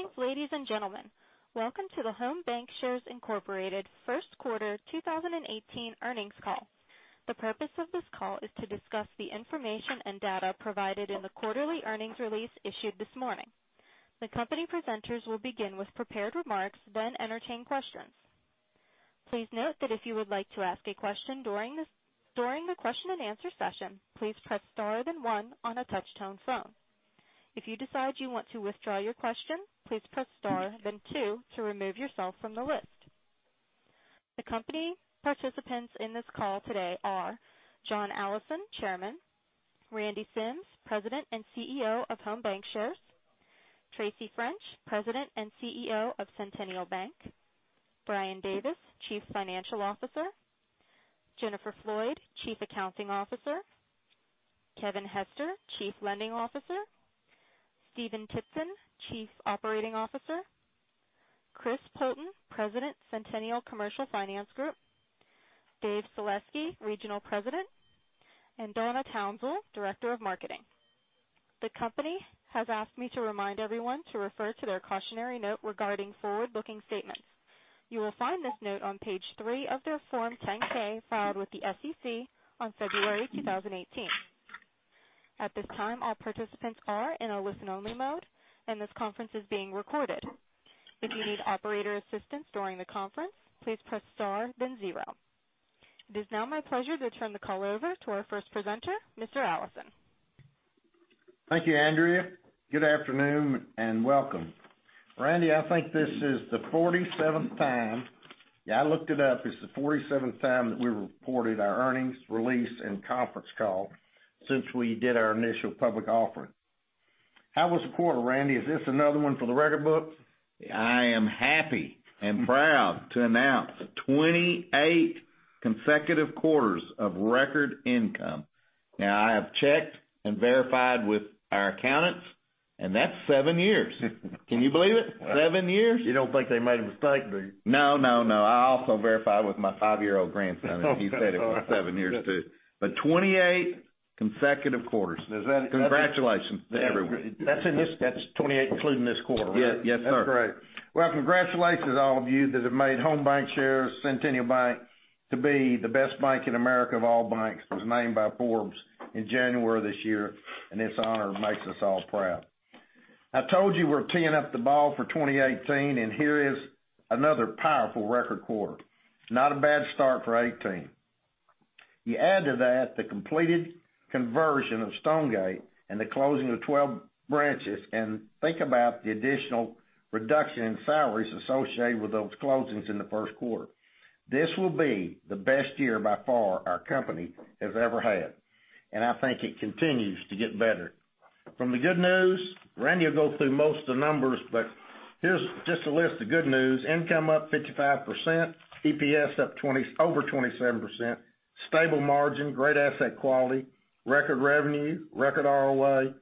Greetings, ladies and gentlemen. Welcome to the Home BancShares Incorporated First Quarter 2018 earnings call. The purpose of this call is to discuss the information and data provided in the quarterly earnings release issued this morning. The company presenters will begin with prepared remarks, then entertain questions. Please note that if you would like to ask a question during the question and answer session, please press star then one on a touch-tone phone. If you decide you want to withdraw your question, please press star then two to remove yourself from the list. The company participants in this call today are John Allison, Chairman; Randy Sims, President and CEO of Home BancShares; Tracy French, President and CEO of Centennial Bank; Brian Davis, Chief Financial Officer; Jennifer Floyd, Chief Accounting Officer; Kevin Hester, Chief Lending Officer; Stephen Tipton, Chief Operating Officer; Chris Poulton, President, Centennial Commercial Finance Group; Dave Selesky, Regional President, and Donna Townsell, Director of Marketing. The company has asked me to remind everyone to refer to their cautionary note regarding forward-looking statements. You will find this note on page three of their Form 10-K filed with the SEC on February 2018. At this time, all participants are in a listen-only mode, and this conference is being recorded. If you need operator assistance during the conference, please press star then zero. It is now my pleasure to turn the call over to our first presenter, Mr. Allison. Thank you, Andrea. Good afternoon and welcome. Randy, I think this is the 47th time, yeah, I looked it up, it's the 47th time that we reported our earnings release and conference call since we did our initial public offering. How was the quarter, Randy? Is this another one for the record books? I am happy and proud to announce 28 consecutive quarters of record income. Now, I have checked and verified with our accountants, and that's seven years. Can you believe it? Seven years. You don't think they made a mistake, do you? No. I also verified with my five-year-old grandson, and he said it was seven years, too. 28 consecutive quarters. Does that. Congratulations, everyone. That's 28 including this quarter, right? Yes, sir. That's great. Well, congratulations, all of you, that have made Home BancShares, Centennial Bank to be the best bank in America of all banks, was named by Forbes in January of this year. This honor makes us all proud. I told you we're teeing up the ball for 2018. Here is another powerful record quarter. Not a bad start for 2018. You add to that the completed conversion of Stonegate and the closing of 12 branches. Think about the additional reduction in salaries associated with those closings in the first quarter. This will be the best year by far our company has ever had. I think it continues to get better. From the good news, Randy will go through most of the numbers, but here's just a list of good news. Income up 55%, EPS over 27%, stable margin, great asset quality, record revenue, record ROA,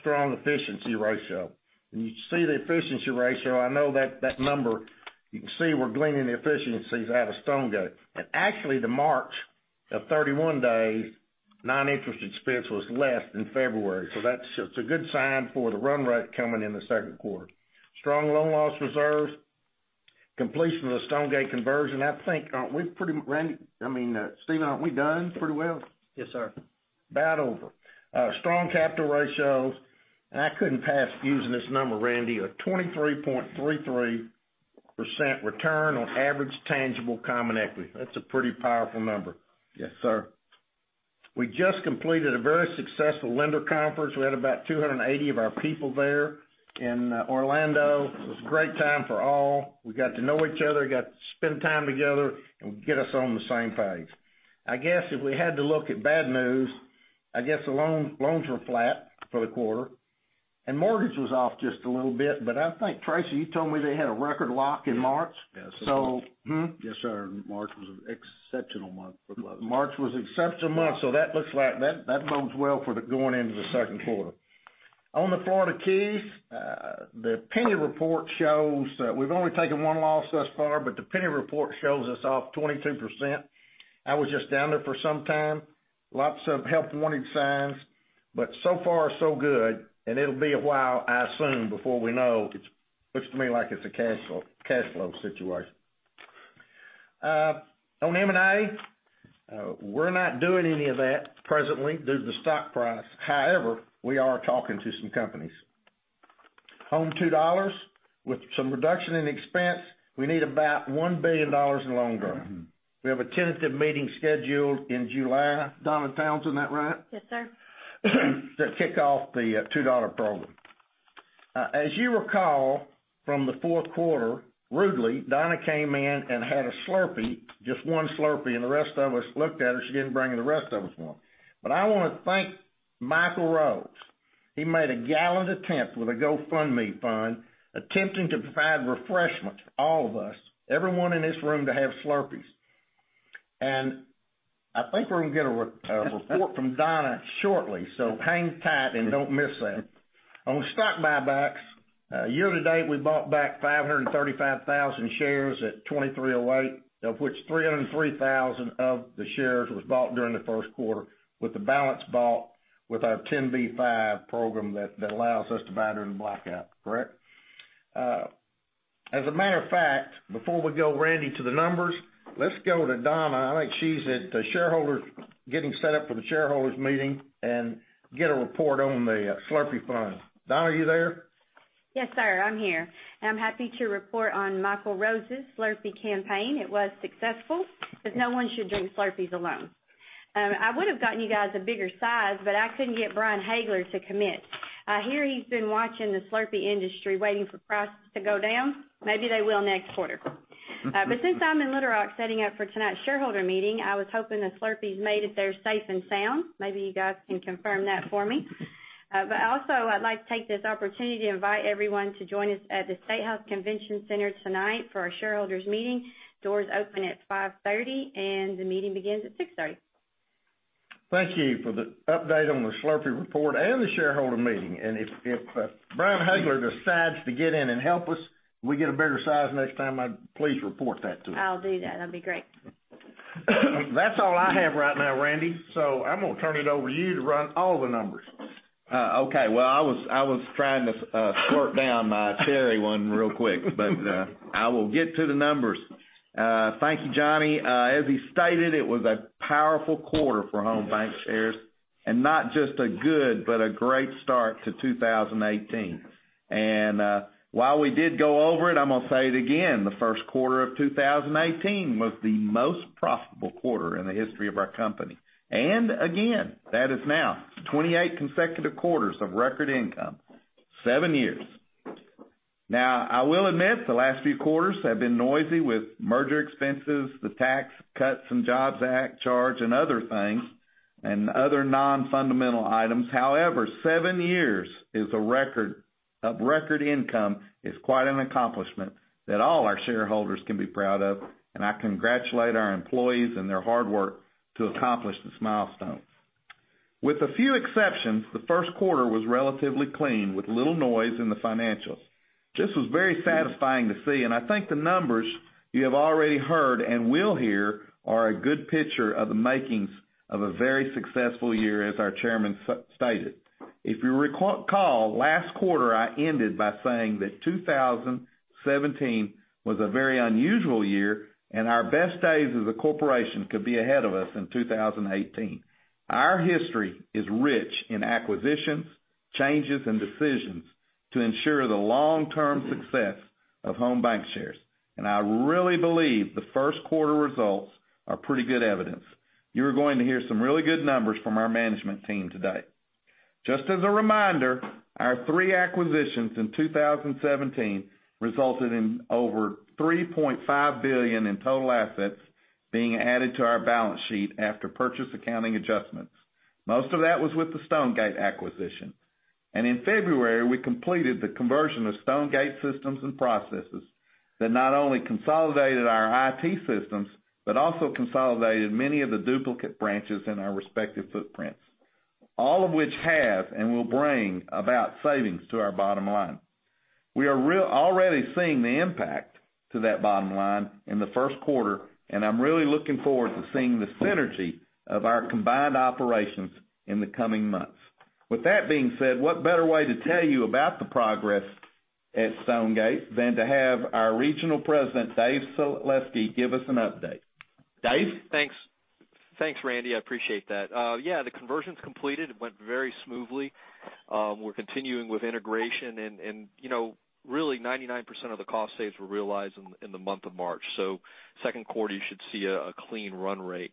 strong efficiency ratio. When you see the efficiency ratio, I know that number, you can see we're gleaning the efficiencies out of Stonegate. Actually, the March of 31 days, non-interest expense was less than February. That's a good sign for the run rate coming in the second quarter. Strong loan loss reserves, completion of the Stonegate conversion. I think, Stephen, aren't we done pretty well? Yes, sir. Battle. Strong capital ratios. I couldn't pass using this number, Randy, a 23.33% return on average tangible common equity. That's a pretty powerful number. Yes, sir. We just completed a very successful lender conference. We had about 280 of our people there in Orlando. It was a great time for all. We got to know each other, got to spend time together, and get us on the same page. I guess if we had to look at bad news, I guess the loans were flat for the quarter, and mortgage was off just a little bit, but I think, Tracy, you told me they had a record lock in March? Yes. mm-hmm. Yes, sir. March was an exceptional month for closing. March was exceptional month, that bodes well for going into the second quarter. On the Florida Keys, the penny report shows, we've only taken one loss thus far, the penny report shows us off 22%. I was just down there for some time. Lots of help wanted signs, so far, so good, it'll be a while, I assume, before we know. It looks to me like it's a cash flow situation. On M&A, we're not doing any of that presently due to the stock price. We are talking to some companies. Home $2.00, with some reduction in expense, we need about $1 billion in loan growth. We have a tentative meeting scheduled in July. Donna Townsell, that right? Yes, sir. To kick off the $2.00 program. As you recall from the fourth quarter, Donna came in and had a Slurpee, just one Slurpee, and the rest of us looked at her. She didn't bring the rest of us one. I want to thank Michael Rose. He made a gallant attempt with a GoFundMe fund, attempting to provide refreshments for all of us, everyone in this room to have Slurpees. I think we're going to get a report from Donna shortly, so hang tight and don't miss that. On stock buybacks, year to date, we bought back 535,000 shares at $23.08, of which 303,000 of the shares was bought during the first quarter, with the balance bought with our 10b5 program that allows us to buy during the blackout. Correct? Yes. As a matter of fact, before we go, Randy, to the numbers, let's go to Donna. I think she's at the shareholder, getting set up for the shareholders meeting, and get a report on the Slurpee fund. Donna, are you there? Yes, sir, I'm here. I'm happy to report on Michael Rose's Slurpee campaign. It was successful, because no one should drink Slurpees alone. I would've gotten you guys a bigger size, but I couldn't get Brian Hagler to commit. I hear he's been watching the Slurpee industry, waiting for prices to go down. Maybe they will next quarter. Since I'm in Little Rock setting up for tonight's shareholder meeting, I was hoping the Slurpees made it there safe and sound. Maybe you guys can confirm that for me. Also, I'd like to take this opportunity to invite everyone to join us at the Statehouse Convention Center tonight for our shareholders meeting. Doors open at 5:30 P.M., the meeting begins at 6:30 P.M. Thank you for the update on the Slurpee report and the shareholder meeting. If Brian Hagler decides to get in and help us, we get a bigger size next time, please report that to me. I'll do that. That'd be great. That's all I have right now, Randy. I'm going to turn it over to you to run all the numbers. Okay. Well, I was trying to slurp down my cherry one real quick. I will get to the numbers. Thank you, Johnny. As he stated, it was a powerful quarter for Home BancShares, not just a good, but a great start to 2018. While we did go over it, I'm going to say it again, the first quarter of 2018 was the most profitable quarter in the history of our company. Again, that is now 28 consecutive quarters of record income, seven years. I will admit the last few quarters have been noisy with merger expenses, the Tax Cuts and Jobs Act charge, other things, and other non-fundamental items. However, seven years of record income is quite an accomplishment that all our shareholders can be proud of, and I congratulate our employees and their hard work to accomplish this milestone. With a few exceptions, the first quarter was relatively clean with little noise in the financials. This was very satisfying to see. I think the numbers you have already heard and will hear are a good picture of the makings of a very successful year, as our chairman stated. If you recall, last quarter, I ended by saying that 2017 was a very unusual year. Our best days as a corporation could be ahead of us in 2018. Our history is rich in acquisitions, changes, and decisions to ensure the long-term success of Home BancShares. I really believe the first quarter results are pretty good evidence. You are going to hear some really good numbers from our management team today. Just as a reminder, our three acquisitions in 2017 resulted in over $3.5 billion in total assets being added to our balance sheet after purchase accounting adjustments. Most of that was with the Stonegate Bank acquisition. In February, we completed the conversion of Stonegate Bank systems and processes that not only consolidated our IT systems, but also consolidated many of the duplicate branches in our respective footprints. All of which have and will bring about savings to our bottom line. We are already seeing the impact to that bottom line in the first quarter, and I'm really looking forward to seeing the synergy of our combined operations in the coming months. With that being said, what better way to tell you about the progress at Stonegate Bank than to have our regional president, Dave Selesky, give us an update. Dave? Thanks, Randy. I appreciate that. Yeah, the conversion's completed. It went very smoothly. We're continuing with integration, and really, 99% of the cost saves were realized in the month of March. Second quarter, you should see a clean run rate.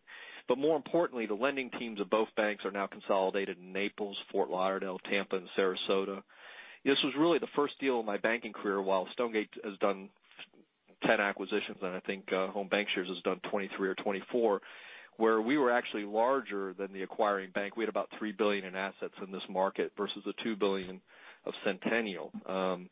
More importantly, the lending teams of both banks are now consolidated in Naples, Fort Lauderdale, Tampa, and Sarasota. This was really the first deal of my banking career, while Stonegate Bank has done 10 acquisitions, and I think Home BancShares has done 23 or 24, where we were actually larger than the acquiring bank. We had about $3 billion in assets in this market versus the $2 billion of Centennial Bank.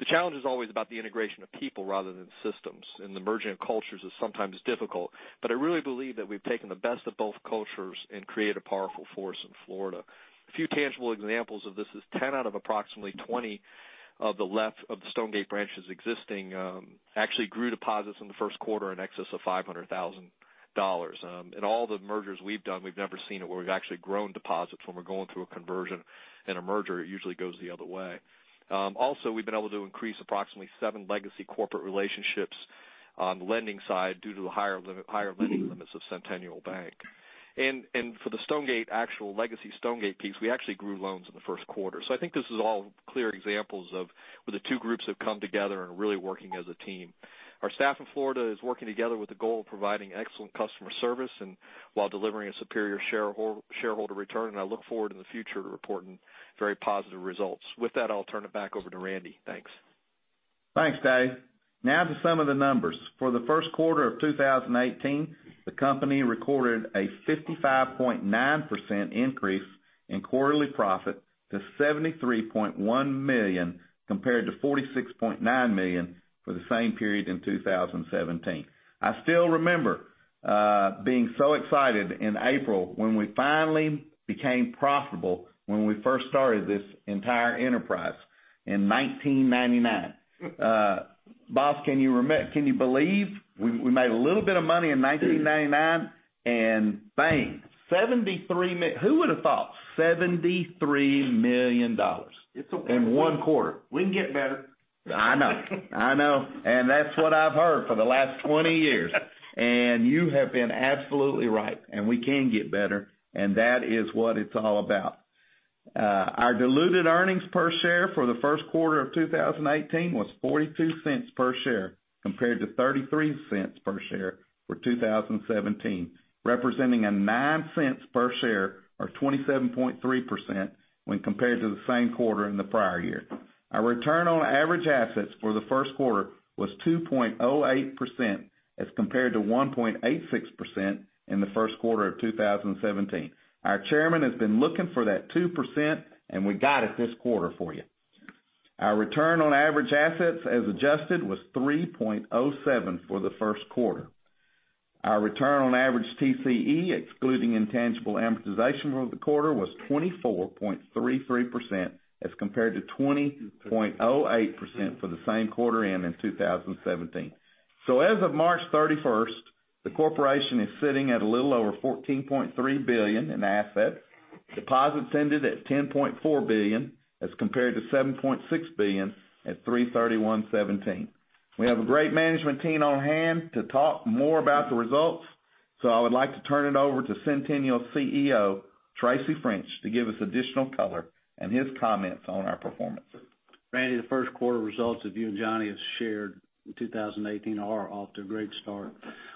The challenge is always about the integration of people rather than systems, and the merging of cultures is sometimes difficult. I really believe that we've taken the best of both cultures and created a powerful force in Florida. A few tangible examples of this is 10 out of approximately 20 are left of the Stonegate Bank branches existing, actually grew deposits in the first quarter in excess of $500,000. In all the mergers we've done, we've never seen it where we've actually grown deposits when we're going through a conversion and a merger. It usually goes the other way. Also, we've been able to increase approximately seven legacy corporate relationships on the lending side due to the higher lending limits of Centennial Bank. For the Stonegate Bank, actual legacy Stonegate Bank piece, we actually grew loans in the first quarter. I think this is all clear examples of where the two groups have come together and are really working as a team. Our staff in Florida is working together with the goal of providing excellent customer service and while delivering a superior shareholder return, and I look forward in the future to reporting very positive results. With that, I'll turn it back over to Randy. Thanks. Thanks, Dave. Now to some of the numbers. For the first quarter of 2018, the company recorded a 55.9% increase in quarterly profit to $73.1 million, compared to $46.9 million for the same period in 2017. I still remember being so excited in April when we finally became profitable when we first started this entire enterprise in 1999. Boss, can you believe we made a little bit of money in 1999, bang, $73 million. Who would have thought? $73 million in one quarter. We can get better I know. I know. That's what I've heard for the last 20 years. You have been absolutely right, and we can get better, and that is what it's all about. Our diluted earnings per share for the first quarter of 2018 was $0.42 per share, compared to $0.33 per share for 2017, representing a $0.09 per share, or 27.3%, when compared to the same quarter in the prior year. Our return on average assets for the first quarter was 2.08%, as compared to 1.86% in the first quarter of 2017. Our chairman has been looking for that 2%, we got it this quarter for you. Our return on average assets as adjusted was 3.07% for the first quarter. Our return on average TCE, excluding intangible amortization for the quarter, was 24.33%, as compared to 20.08% for the same quarter end in 2017. As of March 31st, the corporation is sitting at a little over $14.3 billion in assets. Deposits ended at $10.4 billion, as compared to $7.6 billion at 3/31/2017. We have a great management team on hand to talk more about the results. I would like to turn it over to Centennial CEO, Tracy French, to give us additional color and his comments on our performance. Randy, the first quarter results that you and Johnny have shared in 2018 are off to a great start.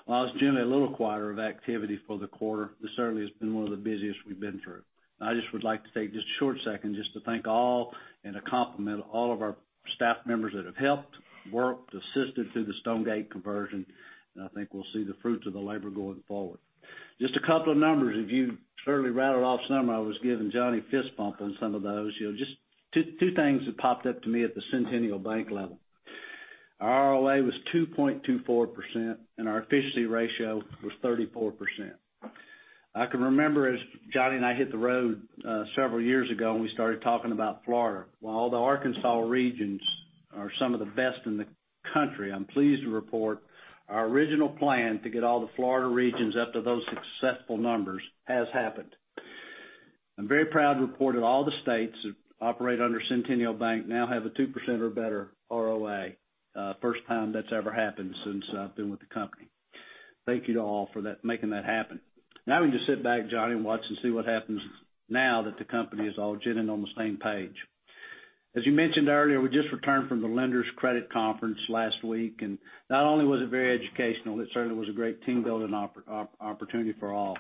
While it's generally a lighter quarter of activity for the quarter, this certainly has been one of the busiest we've been through. I just would like to take just a short second just to thank all and to compliment all of our staff members that have helped, worked, assisted through the Stonegate conversion, and I think we'll see the fruits of the labor going forward. Just a couple of numbers. As you certainly rattled off some, I was giving Johnny fist bumps on some of those. Just two things that popped up to me at the Centennial Bank level. Our ROA was 2.24%, and our efficiency ratio was 34%. I can remember as Johnny and I hit the road, several years ago when we started talking about Florida. While the Arkansas regions are some of the best in the country, I'm pleased to report our original plan to get all the Florida regions up to those successful numbers has happened. I'm very proud to report that all the states that operate under Centennial Bank now have a 2% or better ROA. First time that's ever happened since I've been with the company. Thank you to all for making that happen. Now we can just sit back, Johnny, and watch and see what happens now that the company is all gelling on the same page. As you mentioned earlier, we just returned from the Lenders Credit Conference last week, not only was it very educational, it certainly was a great team-building opportunity for all.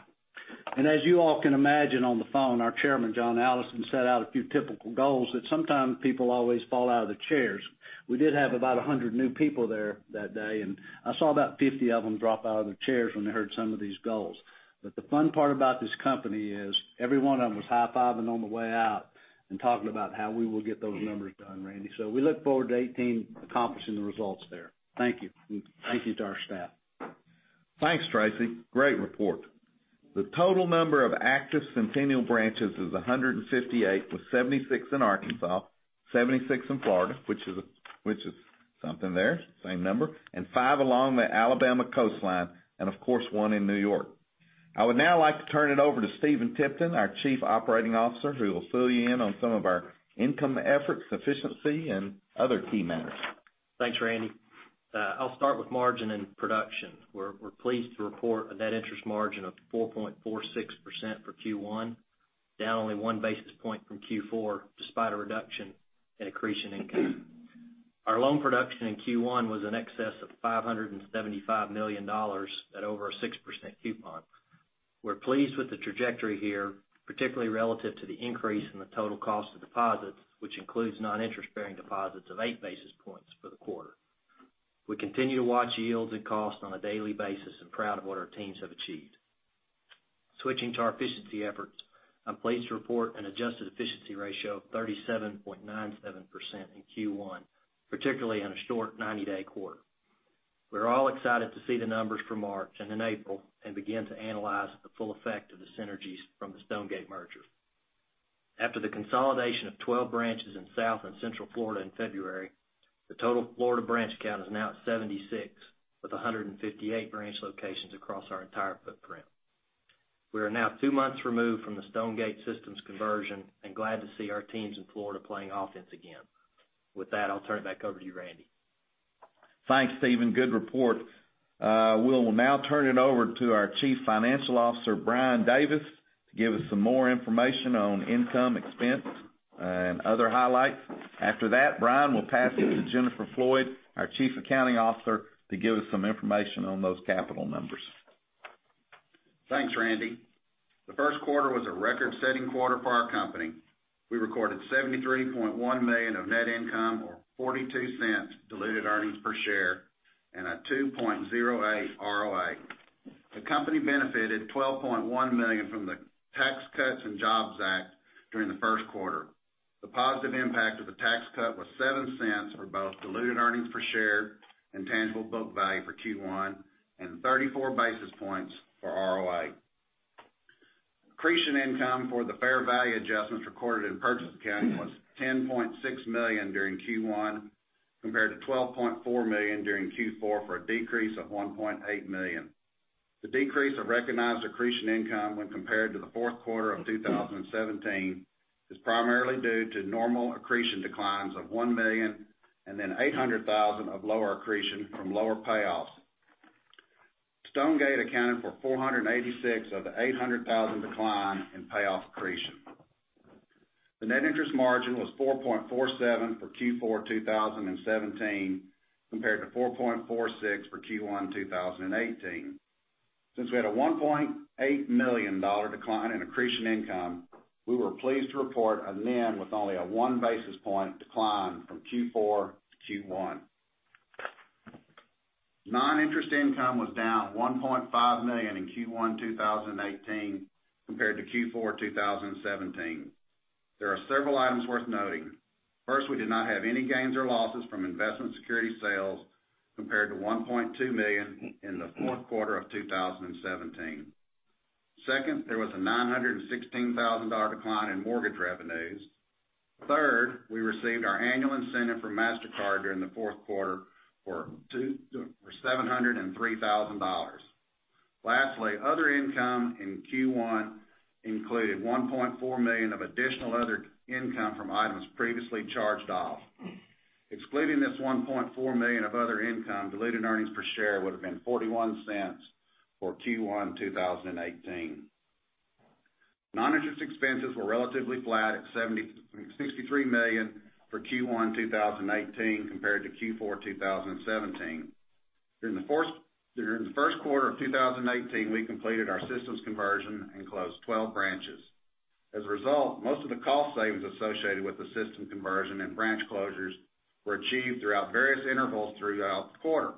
As you all can imagine on the phone, our Chairman, John Allison, set out a few typical goals that sometimes people always fall out of the chairs. We did have about 100 new people there that day, and I saw about 50 of them drop out of their chairs when they heard some of these goals. The fun part about this company is every one of them was high-fiving on the way out and talking about how we will get those numbers done, Randy. We look forward to 2018 accomplishing the results there. Thank you, and thank you to our staff. Thanks, Tracy. Great report. The total number of active Centennial branches is 158, with 76 in Arkansas, 76 in Florida, which is something there, same number, and five along the Alabama coastline, and of course, one in New York. I would now like to turn it over to Stephen Tipton, our Chief Operating Officer, who will fill you in on some of our income efforts, efficiency, and other key metrics. Thanks, Randy. I'll start with margin and production. We're pleased to report a net interest margin of 4.46% for Q1, down only one basis point from Q4, despite a reduction in accretion income. Our loan production in Q1 was in excess of $575 million at over a 6% coupon. We're pleased with the trajectory here, particularly relative to the increase in the total cost of deposits, which includes non-interest-bearing deposits of eight basis points for the quarter. We continue to watch yields and costs on a daily basis and proud of what our teams have achieved. Switching to our efficiency efforts, I'm pleased to report an adjusted efficiency ratio of 37.97% in Q1, particularly in a short 90-day quarter. We're all excited to see the numbers for March and in April and begin to analyze the full effect of the synergies from the Stonegate merger. After the consolidation of 12 branches in South and Central Florida in February, the total Florida branch count is now at 76, with 158 branch locations across our entire footprint. We are now two months removed from the Stonegate systems conversion and glad to see our teams in Florida playing offense again. With that, I'll turn it back over to you, Randy. Thanks, Stephen. Good report. We'll now turn it over to our Chief Financial Officer, Brian Davis, to give us some more information on income, expense, and other highlights. After that, Brian will pass it to Jennifer Floyd, our Chief Accounting Officer, to give us some information on those capital numbers. Thanks, Randy. The first quarter was a record-setting quarter for our company. We recorded $73.1 million of net income or $0.42 diluted earnings per share and a 2.08 ROA. The company benefited $12.1 million from the Tax Cuts and Jobs Act during the first quarter. The positive impact of the tax cut was $0.07 for both diluted earnings per share and tangible book value for Q1 and 34 basis points for ROA. Accretion income for the fair value adjustments recorded in purchase accounting was $10.6 million during Q1, compared to $12.4 million during Q4, for a decrease of $1.8 million. The decrease of recognized accretion income when compared to the fourth quarter of 2017 is primarily due to normal accretion declines of $1 million, and then $800,000 of lower accretion from lower payoffs. Stonegate accounted for $486,000 of the $800,000 decline in payoff accretion. The net interest margin was 4.47% for Q4 2017, compared to 4.46% for Q1 2018. Since we had a $1.8 million decline in accretion income, we were pleased to report a NIM with only a one basis point decline from Q4 to Q1. Non-interest income was down $1.5 million in Q1 2018 compared to Q4 2017. There are several items worth noting. First, we did not have any gains or losses from investment security sales, compared to $1.2 million in the fourth quarter of 2017. Second, there was a $916,000 decline in mortgage revenues. Third, we received our annual incentive from Mastercard during the fourth quarter for $703,000. Lastly, other income in Q1 included $1.4 million of additional other income from items previously charged off. Excluding this $1.4 million of other income, diluted earnings per share would've been $0.41 for Q1 2018. Non-interest expenses were relatively flat at $63 million for Q1 2018 compared to Q4 2017. During the first quarter of 2018, we completed our systems conversion and closed 12 branches. As a result, most of the cost savings associated with the system conversion and branch closures were achieved throughout various intervals throughout the quarter.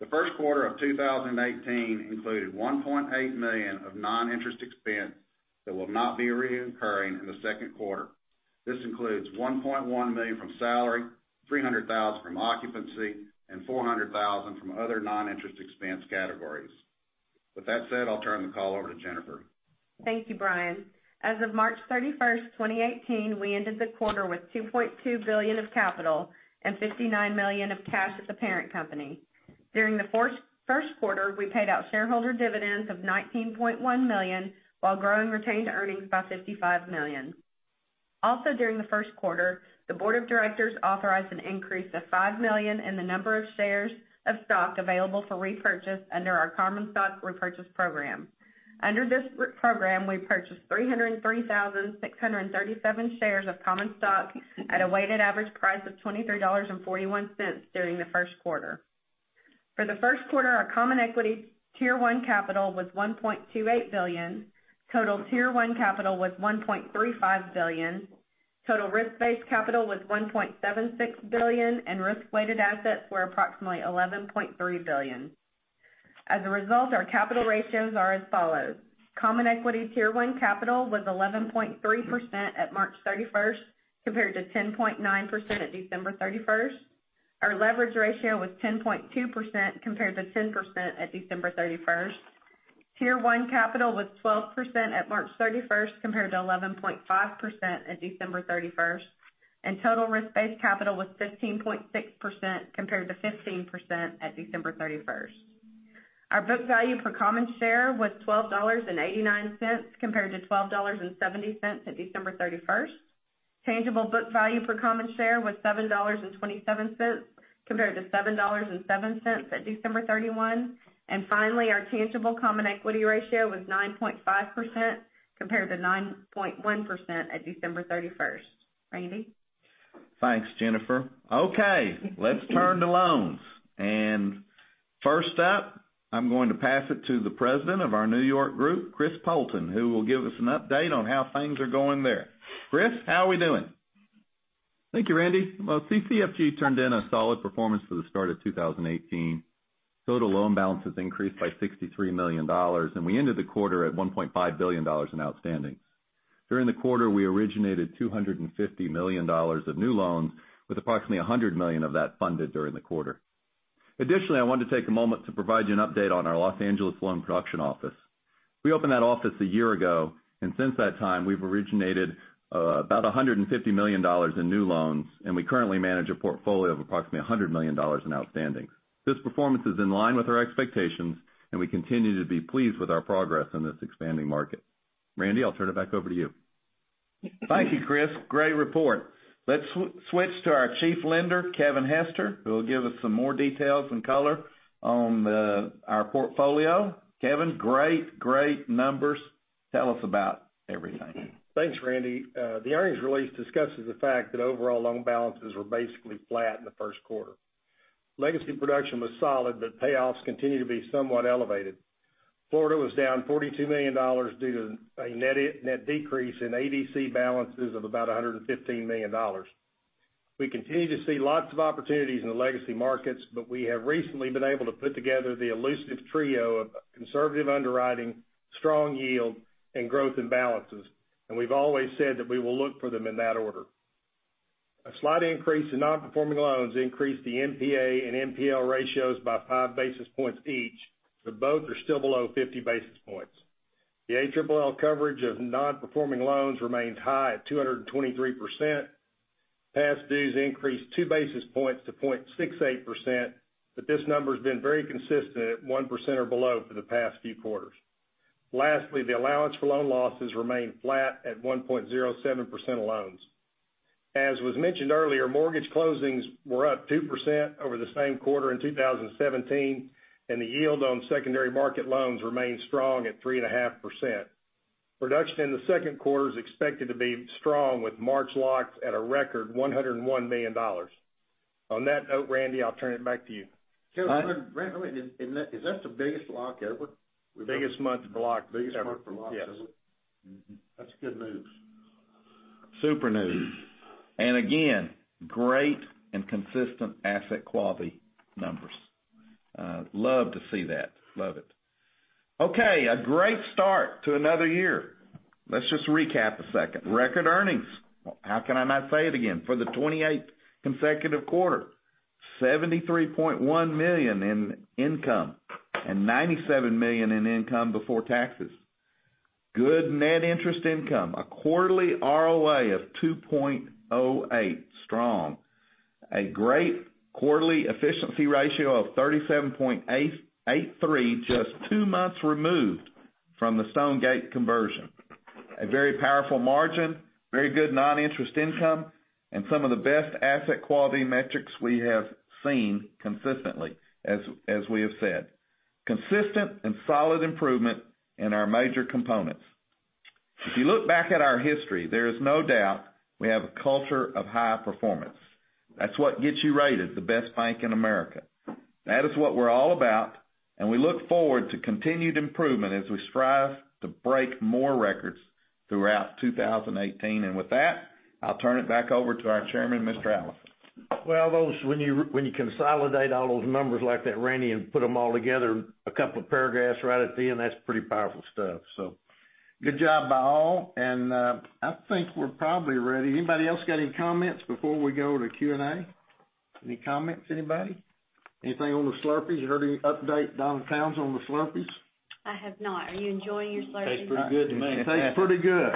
The first quarter of 2018 included $1.8 million of non-interest expense that will not be reoccurring in the second quarter. This includes $1.1 million from salary, $300,000 from occupancy, and $400,000 from other non-interest expense categories. With that said, I'll turn the call over to Jennifer. Thank you, Brian. As of March 31st, 2018, we ended the quarter with $2.2 billion of capital and $59 million of cash at the parent company. During the first quarter, we paid out shareholder dividends of $19.1 million, while growing retained earnings by $55 million. Also during the first quarter, the board of directors authorized an increase of five million in the number of shares of stock available for repurchase under our common stock repurchase program. Under this program, we purchased 303,637 shares of common stock at a weighted average price of $23.41 during the first quarter. For the first quarter, our Common Equity Tier 1 capital was $1.28 billion, total Tier 1 capital was $1.35 billion, total risk-based capital was $1.76 billion, and risk-weighted assets were approximately $11.3 billion. As a result, our capital ratios are as follows. Common Equity Tier 1 capital was 11.3% at March 31st, compared to 10.9% at December 31st. Our leverage ratio was 10.2% compared to 10% at December 31st. Tier 1 capital was 12% at March 31st, compared to 11.5% at December 31st. Total risk-based capital was 15.6% compared to 15% at December 31st. Our book value per common share was $12.89, compared to $12.70 at December 31st. Tangible book value per common share was $7.27, compared to $7.07 at December 31. Finally, our tangible common equity ratio was 9.5% compared to 9.1% at December 31st. Randy? Thanks, Jennifer. Okay, let's turn to loans. First up, I'm going to pass it to the President of our New York group, Chris Poulton, who will give us an update on how things are going there. Chris, how are we doing? Thank you, Randy. Well, CCFG turned in a solid performance for the start of 2018. Total loan balances increased by $63 million. We ended the quarter at $1.5 billion in outstandings. During the quarter, we originated $250 million of new loans, with approximately $100 million of that funded during the quarter. Additionally, I wanted to take a moment to provide you an update on our Los Angeles loan production office. We opened that office a year ago. Since that time, we've originated about $150 million in new loans. We currently manage a portfolio of approximately $100 million in outstandings. This performance is in line with our expectations, and we continue to be pleased with our progress in this expanding market. Randy, I'll turn it back over to you. Thank you, Chris. Great report. Let's switch to our Chief Lender, Kevin Hester, who will give us some more details and color on our portfolio. Kevin, great numbers. Tell us about everything. Thanks, Randy. The earnings release discusses the fact that overall loan balances were basically flat in the first quarter. Legacy production was solid. Payoffs continue to be somewhat elevated. Florida was down $42 million due to a net decrease in ADC balances of about $115 million. We continue to see lots of opportunities in the legacy markets. We have recently been able to put together the elusive trio of conservative underwriting, strong yield, and growth in balances. We've always said that we will look for them in that order. A slight increase in non-performing loans increased the NPA and NPL ratios by five basis points each. Both are still below 50 basis points. The ALL coverage of non-performing loans remains high at 223%. Past dues increased two basis points to 0.68%. This number's been very consistent at 1% or below for the past few quarters. Lastly, the allowance for loan losses remained flat at 1.07% of loans. As was mentioned earlier, mortgage closings were up 2% over the same quarter in 2017, and the yield on secondary market loans remained strong at 3.5%. Production in the second quarter is expected to be strong with March locks at a record $101 million. On that note, Randy, I'll turn it back to you. Kelly, is that the biggest lock ever? Biggest month for lock ever. Biggest month for lock ever. Yes. That's good news. Super news. Again, great and consistent asset quality numbers. Love to see that. Love it. A great start to another year. Let's just recap a second. Record earnings, how can I not say it again, for the 28th consecutive quarter. $73.1 million in income and $97 million in income before taxes. Good net interest income. A quarterly ROA of 2.08%, strong. A great quarterly efficiency ratio of 37.83%, just two months removed from the Stonegate conversion. A very powerful margin, very good non-interest income, and some of the best asset quality metrics we have seen consistently, as we have said. Consistent and solid improvement in our major components. If you look back at our history, there is no doubt we have a culture of high performance. That's what gets you rated the best bank in America. That is what we're all about, we look forward to continued improvement as we strive to break more records throughout 2018. With that, I'll turn it back over to our chairman, Mr. Allison. Well, when you consolidate all those numbers like that, Randy, put them all together in a couple of paragraphs right at the end, that's pretty powerful stuff. Good job by all, I think we're probably ready. Anybody else got any comments before we go to Q&A? Any comments, anybody? Anything on the Slurpees? You heard any update down in towns on the Slurpees? I have not. Are you enjoying your Slurpee? Tastes pretty good to me. Tastes pretty good.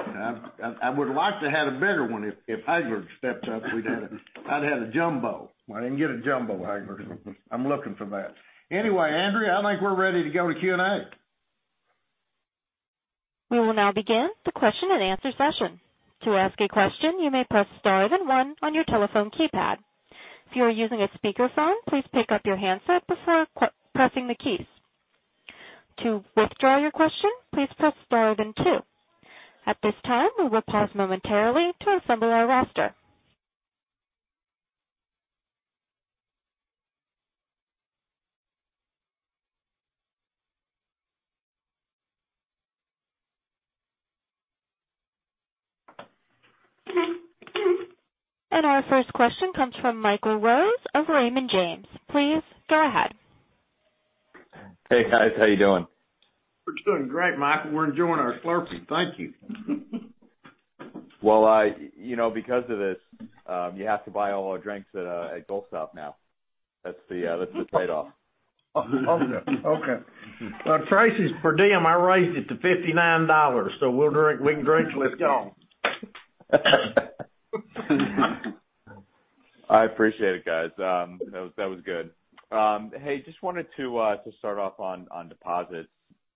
I would like to have had a better one. If Hagler had stepped up, I'd have had a jumbo. Why didn't you get a jumbo, Hagler? I'm looking for that. Anyway, Andrea, I think we're ready to go to Q&A. We will now begin the question and answer session. To ask a question, you may press star then one on your telephone keypad. If you are using a speakerphone, please pick up your handset before pressing the keys. To withdraw your question, please press star then two. At this time, we will pause momentarily to assemble our roster. Our first question comes from Michael Rose of Raymond James. Please go ahead. Hey, guys. How you doing? We're doing great, Michael. We're enjoying our Slurpee. Thank you. Well, because of this, you have to buy all our drinks at Gulf Stop now. That's the trade-off. Okay. Well, the price is per diem. I raised it to $59. We can drink. Let's go. I appreciate it, guys. That was good. Hey, just wanted to start off on deposits.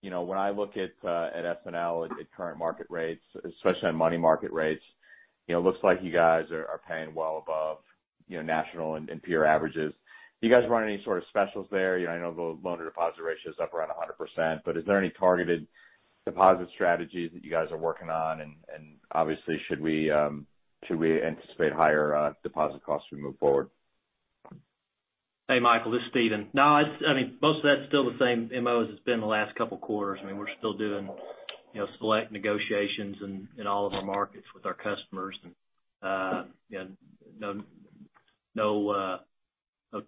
When I look at SNL at current market rates, especially on money market rates, it looks like you guys are paying well above national and peer averages. Do you guys run any sort of specials there? I know the loan-to-deposit ratio is up around 100%, but is there any targeted deposit strategies that you guys are working on? Obviously, should we anticipate higher deposit costs as we move forward? Hey, Michael, this is Stephen. No, most of that's still the same MO as it's been the last couple of quarters. We're still doing select negotiations in all of our markets with our customers. No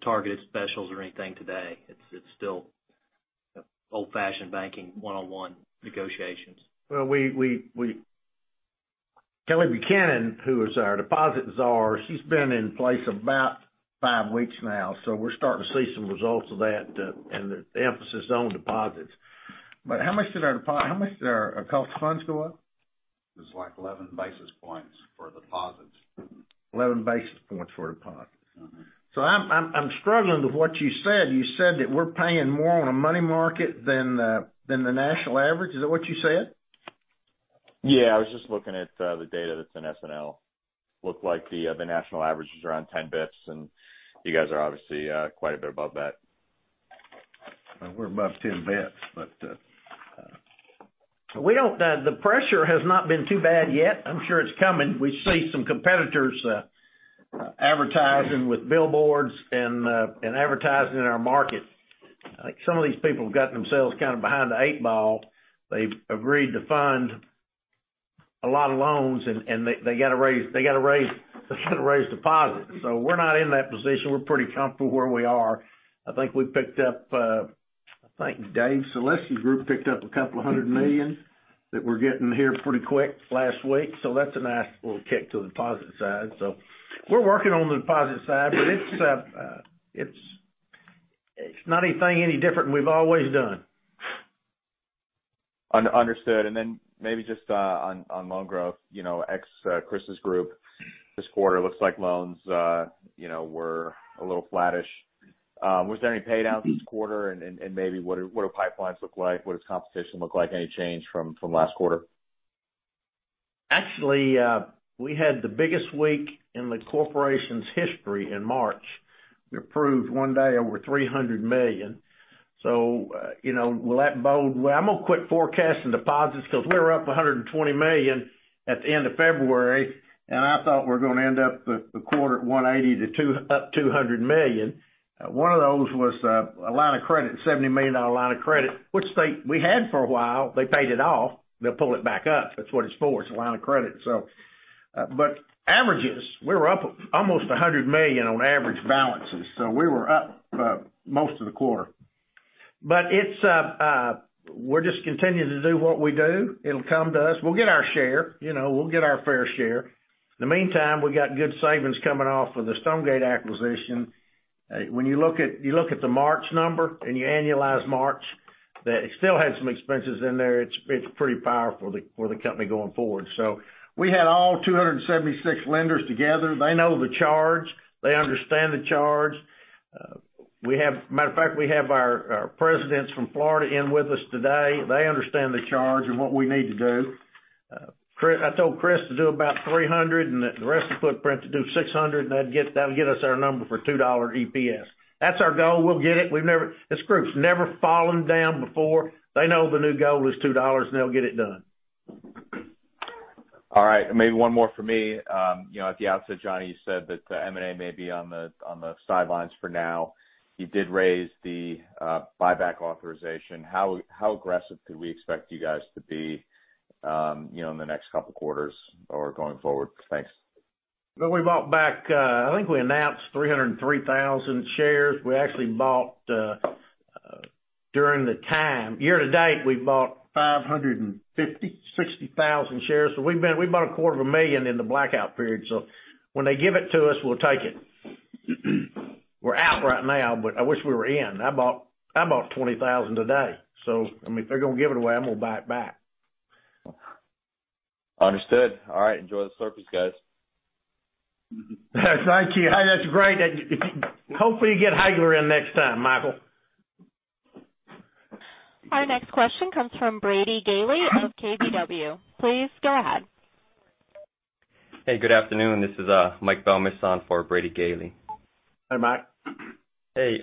targeted specials or anything today. It's still old-fashioned banking, one-on-one negotiations. Well, Kelly Buchanan, who is our deposit czar, she's been in place about five weeks now. We're starting to see some results of that and the emphasis on deposits. How much did our cost of funds go up? It was like 11 basis points for deposits. 11 basis points for deposits. I'm struggling with what you said. You said that we're paying more on the money market than the national average. Is that what you said? I was just looking at the data that's in SNL. Looked like the national average is around 10 basis points, and you guys are obviously quite a bit above that. We're above 10 basis points. The pressure has not been too bad yet. I'm sure it's coming. We see some competitors advertising with billboards and advertising in our market. Some of these people have gotten themselves kind of behind the eight ball. They've agreed to fund a lot of loans, and they got to raise deposits. We're not in that position. We're pretty comfortable where we are. I think Dave Selesky group picked up a couple of hundred million that we're getting here pretty quick last week. That's a nice little kick to the deposit side. We're working on the deposit side, but it's not anything any different than we've always done. Understood. Maybe just on loan growth, ex Chris's group this quarter, looks like loans were a little flattish. Was there any paydowns this quarter and maybe what do pipelines look like? What does competition look like? Any change from last quarter? Actually, we had the biggest week in the corporation's history in March. We approved one day over $300 million. Well, that bode well. I'm going to quit forecasting deposits because we were up $120 million at the end of February, and I thought we were going to end up the quarter at $180 million to up $200 million. One of those was a line of credit, $70 million line of credit, which we had for a while. They paid it off. They'll pull it back up. That's what it's for. It's a line of credit. Averages, we were up almost $100 million on average balances. We were up most of the quarter. We're just continuing to do what we do. It'll come to us. We'll get our share. We'll get our fair share. In the meantime, we got good savings coming off of the Stonegate acquisition. When you look at the March number and you annualize March, that still had some expenses in there. It's pretty powerful for the company going forward. We had all 276 lenders together. They know the charge. They understand the charge. Matter of fact, we have our presidents from Florida in with us today. They understand the charge and what we need to do. I told Chris to do about $300 million and the rest of the footprint to do $600 million, and that'll get us our number for $2 EPS. That's our goal. We'll get it. This group's never fallen down before. They know the new goal is $2, and they'll get it done. All right. Maybe one more from me. At the outset, Johnny, you said that the M&A may be on the sidelines for now. You did raise the buyback authorization. How aggressive could we expect you guys to be in the next couple quarters or going forward? Thanks. Well, we bought back, I think we announced 303,000 shares. We actually bought during the time, year to date, we bought 560,000 shares. We bought a quarter of a million in the blackout period. When they give it to us, we'll take it. We're out right now, but I wish we were in. I bought 20,000 today. If they're going to give it away, I'm going to buy it back. Understood. All right. Enjoy the service, guys. Thank you. Hey, that's great. Hopefully you get Hagler in next time, Michael. Our next question comes from Brady Gailey of KBW. Please go ahead. Hey, good afternoon. This is Mike Belmiss on for Brady Gailey. Hey, Mike. Hey.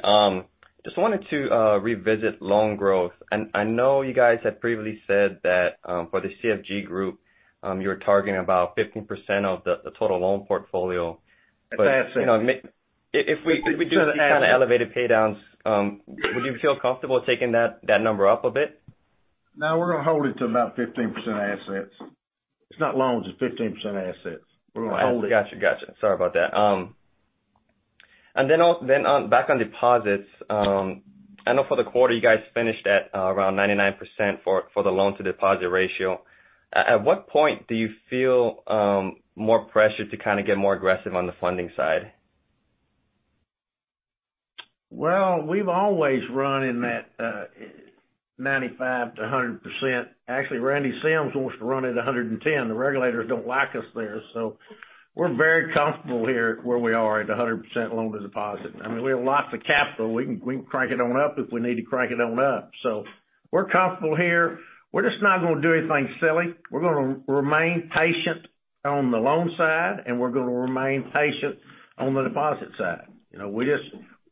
Just wanted to revisit loan growth. I know you guys had previously said that for the CCFG group, you were targeting about 15% of the total loan portfolio. Assets. If we do these kind of elevated pay downs, would you feel comfortable taking that number up a bit? No, we're going to hold it to about 15% assets. It's not loans, it's 15% assets. We're going to hold it. Got you. Sorry about that. Back on deposits, I know for the quarter, you guys finished at around 99% for the loan to deposit ratio. At what point do you feel more pressure to kind of get more aggressive on the funding side? Well, we've always run in that 95%-100%. Actually, Randy Sims wants to run it 110. The regulators don't like us there. We're very comfortable here where we are at 100% loan to deposit. We have lots of capital. We can crank it on up if we need to crank it on up. We're comfortable here. We're just not going to do anything silly. We're going to remain patient on the loan side, and we're going to remain patient on the deposit side.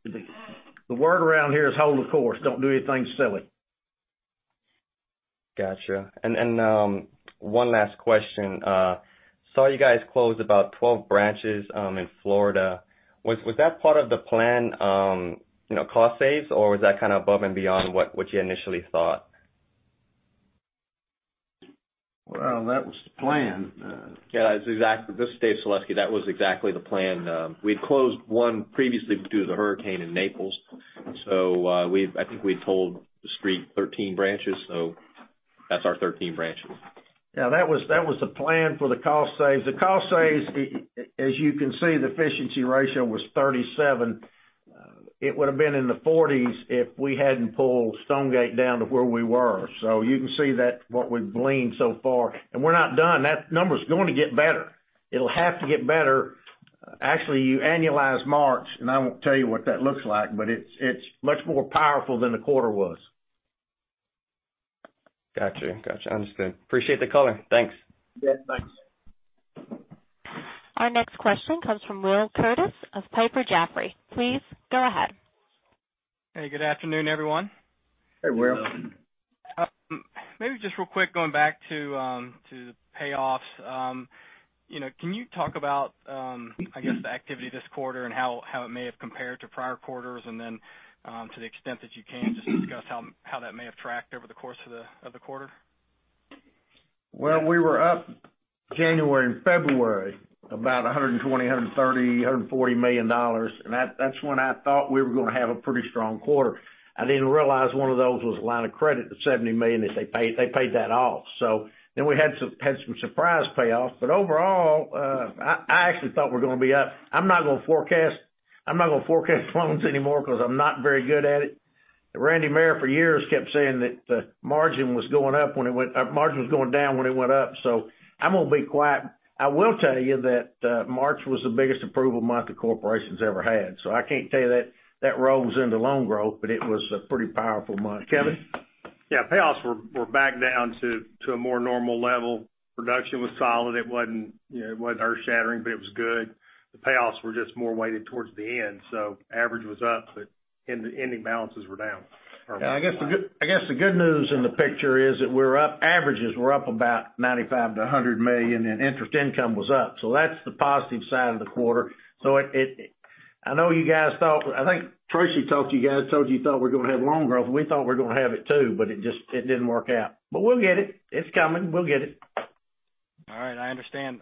The word around here is hold the course. Don't do anything silly. Got you. One last question. Saw you guys close about 12 branches in Florida. Was that part of the plan cost saves, or was that kind of above and beyond what you initially thought? Well, that was the plan. Yeah. This is Dave Selesky. That was exactly the plan. We had closed one previously due to the hurricane in Naples. I think we told the street 13 branches, so that is our 13 branches. Yeah, that was the plan for the cost saves. The cost saves, as you can see, the efficiency ratio was 37. It would have been in the 40s if we had not pulled Stonegate down to where we were. You can see what we have gleaned so far, and we are not done. That number is going to get better. It will have to get better. Actually, you annualize March, and I will not tell you what that looks like, but it is much more powerful than the quarter was. Got you. Understood. Appreciate the color. Thanks. Yeah, thanks. Our next question comes from Will Curtiss of Piper Jaffray. Please go ahead. Hey, good afternoon, everyone. Hey, Will. Maybe just real quick going back to payoffs. Can you talk about, I guess, the activity this quarter and how it may have compared to prior quarters and then to the extent that you can just discuss how that may have tracked over the course of the quarter? We were up January and February about $120 million, $130 million, $140 million. That's when I thought we were going to have a pretty strong quarter. I didn't realize one of those was a line of credit of $70 million. They paid that off. We had some surprise payoffs. Overall, I actually thought we were going to be up. I'm not going to forecast loans anymore because I'm not very good at it. Randy Mayor for years kept saying that the margin was going down when it went up. I'm going to be quiet. I will tell you that March was the biggest approval month the corporation's ever had. I can't tell you that rolls into loan growth, but it was a pretty powerful month. Kevin? Payoffs were back down to a more normal level. Production was solid. It wasn't earth-shattering, but it was good. The payoffs were just more weighted towards the end. Average was up, but ending balances were down. I guess the good news in the picture is that averages were up about $95 million-$100 million, and interest income was up. That's the positive side of the quarter. I think Tracy told you guys, thought we're going to have loan growth. We thought we were going to have it too, it didn't work out. We'll get it. It's coming. We'll get it. I understand.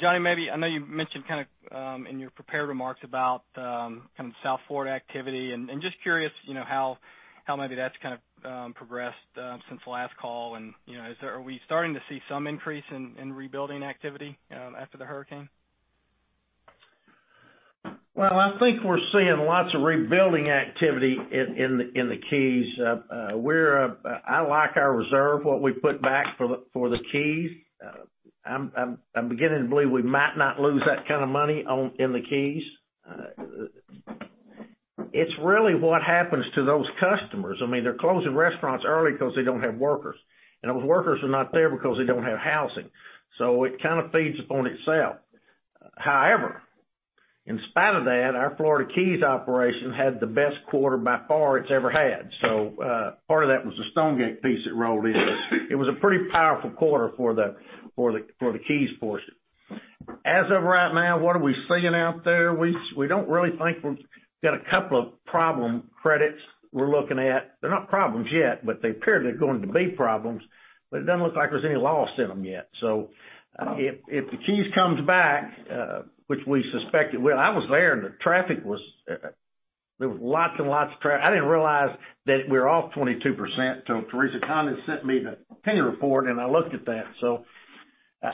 Johnny, I know you mentioned kind of in your prepared remarks about kind of South Florida activity and just curious, how maybe that's kind of progressed since the last call and are we starting to see some increase in rebuilding activity after the hurricane? I think we're seeing lots of rebuilding activity in the Keys. I like our reserve, what we put back for the Keys. I'm beginning to believe we might not lose that kind of money in the Keys. It's really what happens to those customers. They're closing restaurants early because they don't have workers, and those workers are not there because they don't have housing. It kind of feeds upon itself. However, in spite of that, our Florida Keys operation had the best quarter by far it's ever had. Part of that was the Stonegate Bank piece that rolled in. It was a pretty powerful quarter for the Keys portion. As of right now, what are we seeing out there? We don't really think we've got two problem credits we're looking at. They're not problems yet, but they appear they're going to be problems, but it doesn't look like there's any loss in them yet if the Keys comes back, which we suspected. I was there and the traffic was lots and lots of traffic. I didn't realize that we were off 22% till Teresa Condon sent me the PIN report, and I looked at that.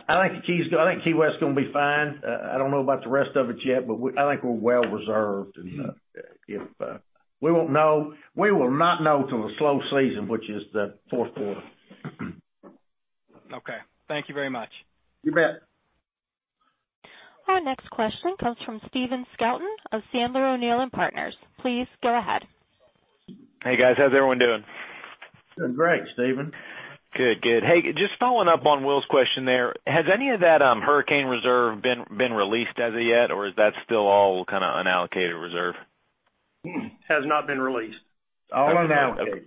I think Key West's going to be fine. I don't know about the rest of it yet, but I think we're well reserved. We will not know till the slow season, which is the fourth quarter. Okay. Thank you very much. You bet. Our next question comes from Stephen Scouten of Sandler O'Neill + Partners. Please go ahead. Hey, guys. How's everyone doing? Doing great, Stephen. Good. Hey, just following up on Will's question there. Has any of that hurricane reserve been released as of yet, or is that still all kind of unallocated reserve? Has not been released. All unallocated.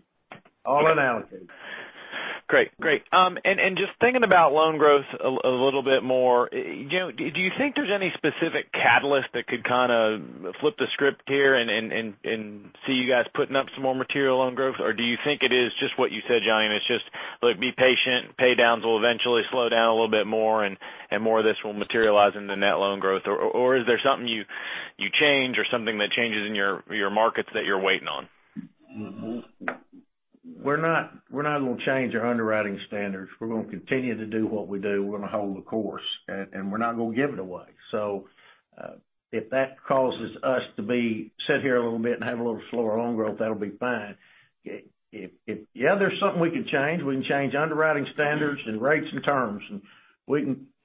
Great. Just thinking about loan growth a little bit more, do you think there's any specific catalyst that could kind of flip the script here and see you guys putting up some more material loan growth? Or do you think it is just what you said, Johnny, and it's just be patient, pay downs will eventually slow down a little bit more and more of this will materialize into net loan growth? Or is there something you change or something that changes in your markets that you're waiting on? We're not going to change our underwriting standards. We're going to continue to do what we do. We're going to hold the course, and we're not going to give it away. If that causes us to be sit here a little bit and have a little slower loan growth, that'll be fine. There's something we can change. We can change underwriting standards and rates and terms, and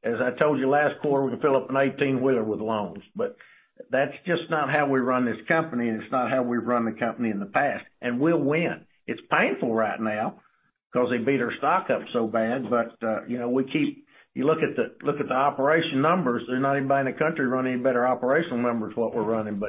as I told you last quarter, we can fill up an 18-wheeler with loans. That's just not how we run this company, and it's not how we've run the company in the past. We'll win. It's painful right now because they beat our stock up so bad. Look at the operation numbers. There's not anybody in the country running better operational numbers than what we're running.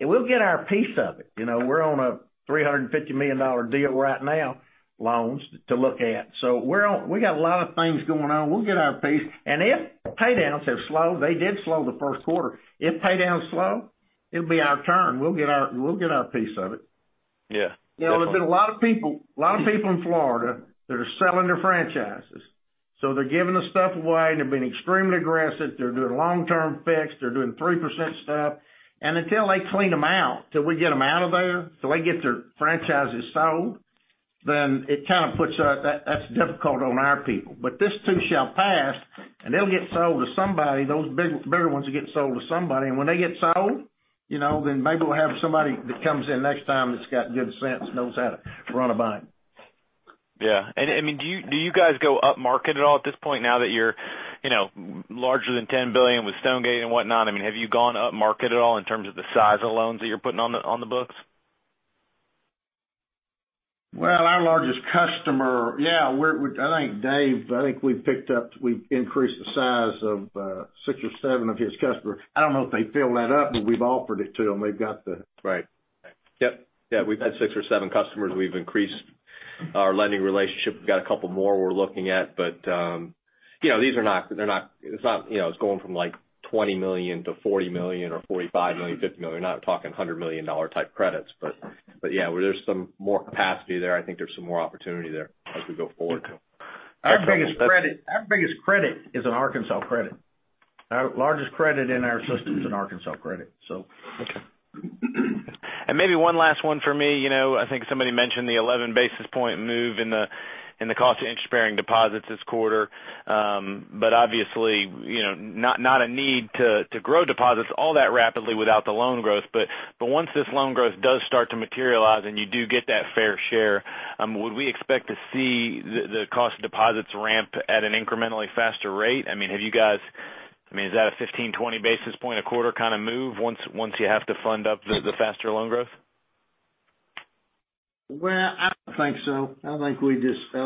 We'll get our piece of it. We're on a $350 million deal right now, loans to look at. We got a lot of things going on. We'll get our piece. If pay downs have slowed, they did slow the first quarter. If pay downs slow, it'll be our turn. We'll get our piece of it. Yeah. There's been a lot of people in Florida that are selling their franchises. They're giving the stuff away, and they're being extremely aggressive. They're doing long-term fixed, they're doing 3% stuff. Until they clean them out, till we get them out of there, till they get their franchises sold, then that's difficult on our people. This too shall pass, and they'll get sold to somebody, those bigger ones will get sold to somebody. When they get sold, then maybe we'll have somebody that comes in next time that's got good sense, knows how to run a bank. Do you guys go upmarket at all at this point now that you're larger than $10 billion with Stonegate and whatnot? Have you gone upmarket at all in terms of the size of loans that you're putting on the books? I think, Dave, we've increased the size of six or seven of his customers. I don't know if they filled that up, but we've offered it to them. Right. Yep. We've had six or seven customers we've increased our lending relationship. We've got a couple more we're looking at. It's going from like $20 million to $40 million or $45 million, $50 million. We're not talking $100 million type credits. There's some more capacity there. I think there's some more opportunity there as we go forward. Our biggest credit is an Arkansas credit. Our largest credit in our system is an Arkansas credit. Okay. Maybe one last one for me. I think somebody mentioned the 11 basis point move in the cost of interest-bearing deposits this quarter. Obviously, not a need to grow deposits all that rapidly without the loan growth. Once this loan growth does start to materialize and you do get that fair share, would we expect to see the cost of deposits ramp at an incrementally faster rate? Is that a 15, 20 basis point a quarter kind of move once you have to fund up the faster loan growth? I don't think so. I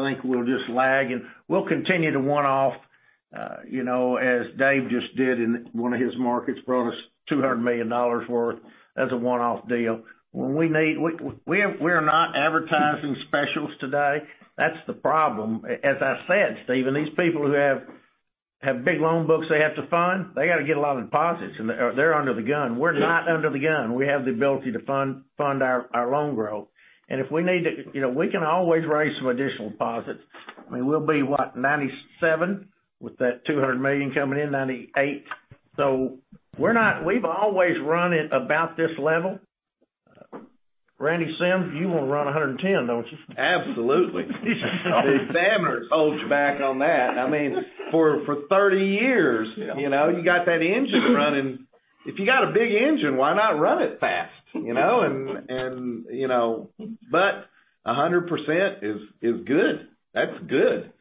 think we'll just lag, and we'll continue to one-off, as Dave just did in one of his markets, brought us $200 million worth as a one-off deal. We're not advertising specials today. That's the problem. As I said, Stephen, these people who have big loan books they have to fund, they got to get a lot of deposits, and they're under the gun. We're not under the gun. We have the ability to fund our loan growth. If we need to, we can always raise some additional deposits. I mean, we'll be what, 97 with that $200 million coming in, 98. We've always run at about this level. Randy Sims, you want to run 110, don't you? Absolutely. The examiner holds back on that. For 30 years, you got that engine running. If you got a big engine, why not run it fast? 100% is good. That's good.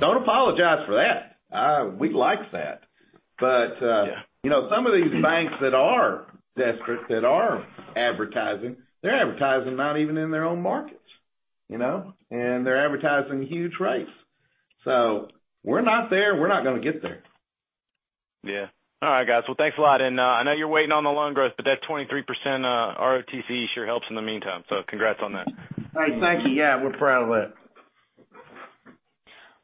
Don't apologize for that. We like that. Yeah Some of these banks that are desperate, that are advertising, they're advertising not even in their own markets. They're advertising huge rates. We're not there, and we're not going to get there. Yeah. All right, guys. Thanks a lot. I know you're waiting on the loan growth, but that 23% ROTCE sure helps in the meantime. Congrats on that. Hey, thank you. Yeah, we're proud of that.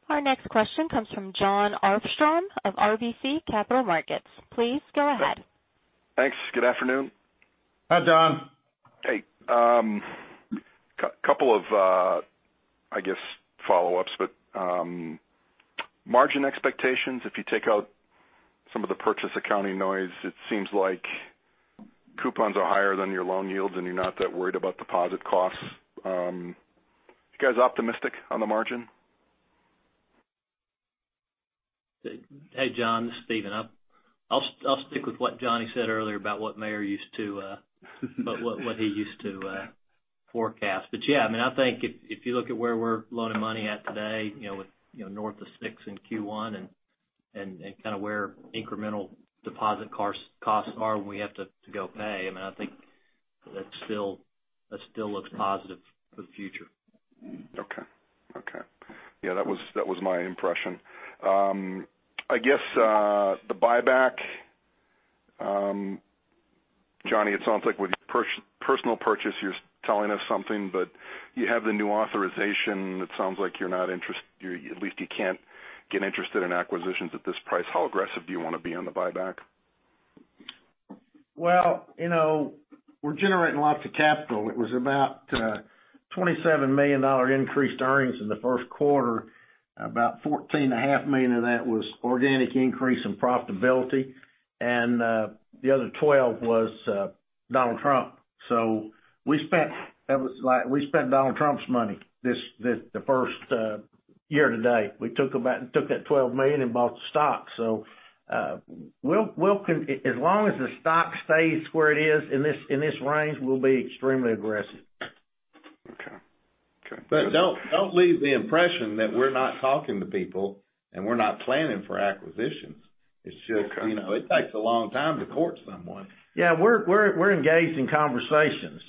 Our next question comes from Jon Arfstrom of RBC Capital Markets. Please go ahead. Thanks. Good afternoon. Hi, Jon. Couple of, I guess, follow-ups. Margin expectations, if you take out some of the purchase accounting noise, it seems like coupons are higher than your loan yields, and you're not that worried about deposit costs. You guys optimistic on the margin? Hey, John, this is Stephen. I'll stick with what Johnny said earlier about what Mayor used to forecast. Yeah, I think if you look at where we're loaning money at today, north of six in Q1, and kind of where incremental deposit costs are, and we have to go pay, I think that still looks positive for the future. Okay. Yeah, that was my impression. I guess, the buyback, Johnny, it sounds like with personal purchase, you're telling us something. You have the new authorization. It sounds like you're not interested, at least you can't get interested in acquisitions at this price. How aggressive do you want to be on the buyback? Well, we're generating lots of capital. It was about $27 million increased earnings in the first quarter, about $14.5 million of that was organic increase in profitability, and the other 12 was Donald Trump. We spent Donald Trump's money this first year to date. We took that $12 million and bought the stock. As long as the stock stays where it is, in this range, we'll be extremely aggressive. Okay. Don't leave the impression that we're not talking to people and we're not planning for acquisitions. Okay. It's just, it takes a long time to court someone. Yeah, we're engaged in conversations.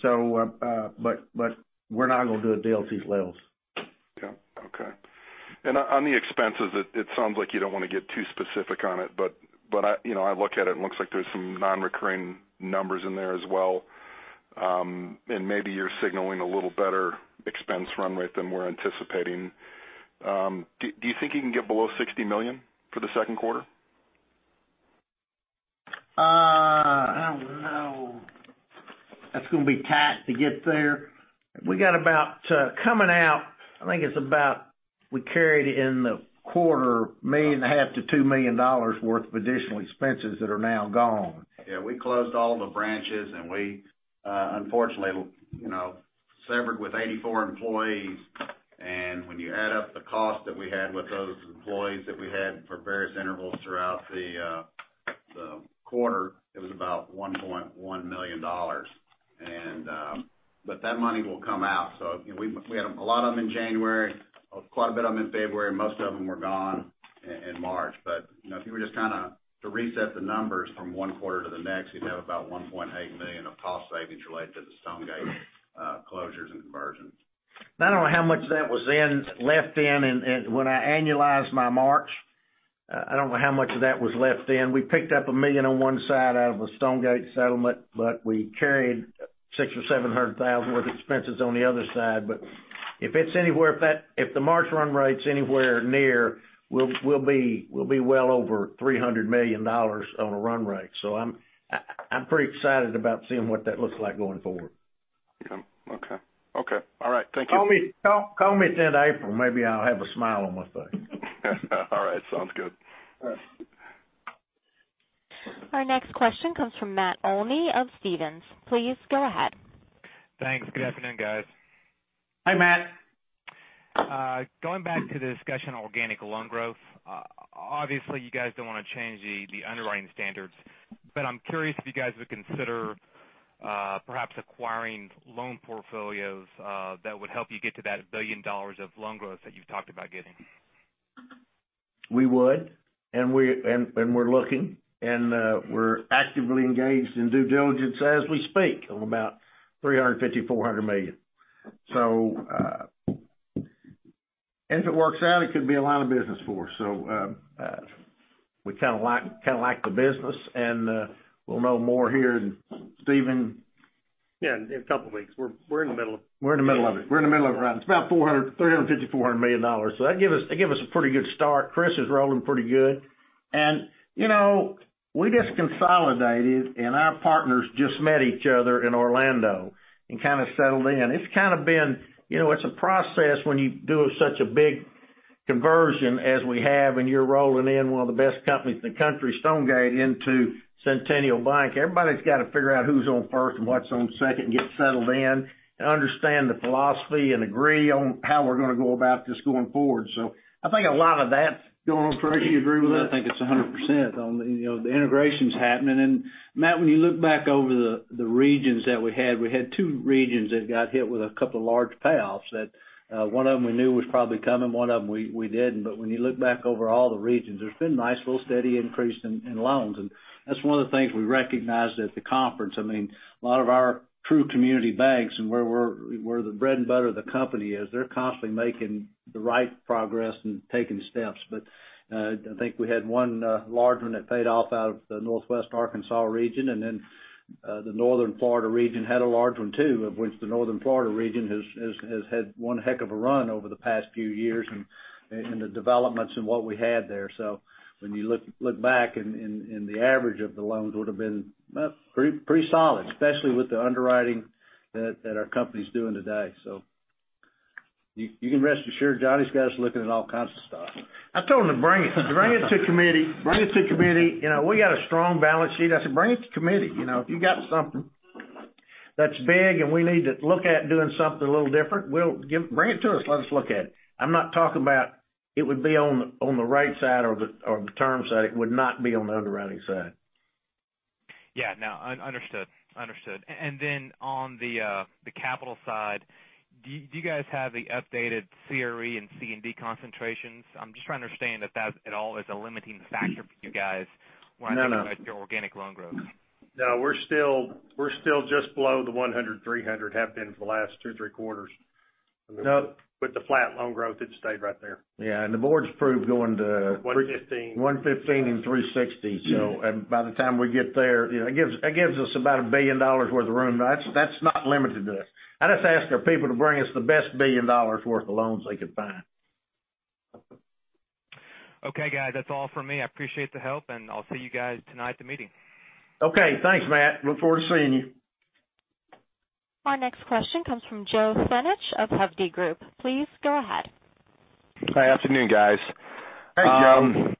We're not going to do it at DLC's levels. Yeah. Okay. On the expenses, it sounds like you don't want to get too specific on it, but I look at it, and it looks like there's some non-recurring numbers in there as well. Maybe you're signaling a little better expense run rate than we're anticipating. Do you think you can get below $60 million for the second quarter? I don't know. That's going to be tight to get there. We got about, coming out, I think it's about we carried in the quarter, $1.5 million-$2 million worth of additional expenses that are now gone. Yeah, we closed all the branches. We unfortunately severed with 84 employees. When you add up the cost that we had with those employees that we had for various intervals throughout the quarter, it was about $1.1 million. That money will come out. We had a lot of them in January, quite a bit of them in February, most of them were gone in March. If you were just to reset the numbers from one quarter to the next, you'd have about $1.8 million of cost savings related to the Stonegate closures and conversions. I don't know how much that was then left in. When I annualized my March, I don't know how much of that was left in. We picked up $1 million on one side out of a Stonegate settlement, we carried $600,000 or $700,000 worth of expenses on the other side. If the March run rate's anywhere near, we'll be well over $300 million on a run rate. I'm pretty excited about seeing what that looks like going forward. Yeah. Okay. All right. Thank you. Call me 10 April, maybe I'll have a smile on my face. All right. Sounds good. All right. Our next question comes from Matt Olney of Stephens. Please go ahead. Thanks. Good afternoon, guys. Hi, Matt. Going back to the discussion on organic loan growth, obviously, you guys don't want to change the underwriting standards. I'm curious if you guys would consider perhaps acquiring loan portfolios that would help you get to that $1 billion of loan growth that you've talked about getting. We would, and we're looking. We're actively engaged in due diligence as we speak, on about $350 million-$400 million. If it works out, it could be a lot of business for us. We kind of like the business, and we'll know more here. Stephen? Yeah, in a couple of weeks. We're in the middle of. We're in the middle of it. We're in the middle of it right now. It's about $350 million, $400 million. That'd give us a pretty good start. Chris is rolling pretty good. We just consolidated, and our partners just met each other in Orlando and kind of settled in. It's a process when you do such a big conversion as we have, and you're rolling in one of the best companies in the country, Stonegate Bank, into Centennial Bank. Everybody's got to figure out who's on first and what's on second, get settled in, and understand the philosophy, and agree on how we're going to go about this going forward. I think a lot of that's going on. Tracy, you agree with that? I think it's 100% on, the integration's happening. Matt, when you look back over the regions that we had, we had two regions that got hit with a couple of large payoffs that one of them we knew was probably coming, one of them we didn't. When you look back over all the regions, there's been nice, little steady increase in loans. That's one of the things we recognized at the conference. A lot of our true community banks and where the bread and butter of the company is, they're constantly making the right progress and taking steps. I think we had one large one that paid off out of the Northwest Arkansas region, and then the northern Florida region had a large one, too, of which the northern Florida region has had one heck of a run over the past few years, and the developments in what we had there. When you look back and the average of the loans would've been pretty solid, especially with the underwriting that our company's doing today. You can rest assured, Johnny's got us looking at all kinds of stuff. I told him to bring it to committee. We got a strong balance sheet. I said, "Bring it to committee." If you got something that's big and we need to look at doing something a little different, bring it to us. Let us look at it. I'm not talking about it would be on the right side or the term side. It would not be on the underwriting side. No, understood. Then on the capital side, do you guys have the updated CRE and C&D concentrations? I'm just trying to understand if that at all is a limiting factor for you guys when I think about- No your organic loan growth. No, we're still just below the 100, 300, have been for the last two, three quarters. No. With the flat loan growth, it's stayed right there. Yeah. The board's approved. 115 115 and 360. By the time we get there, it gives us about $1 billion worth of room. That's not limited to us. I just ask our people to bring us the best $1 billion worth of loans they can find. Okay, guys. That's all from me. I appreciate the help, and I'll see you guys tonight at the meeting. Okay. Thanks, Matt. Look forward to seeing you. Our next question comes from Joe Fenech of Hovde Group. Please go ahead. Hi. Afternoon, guys. Hi, Joe.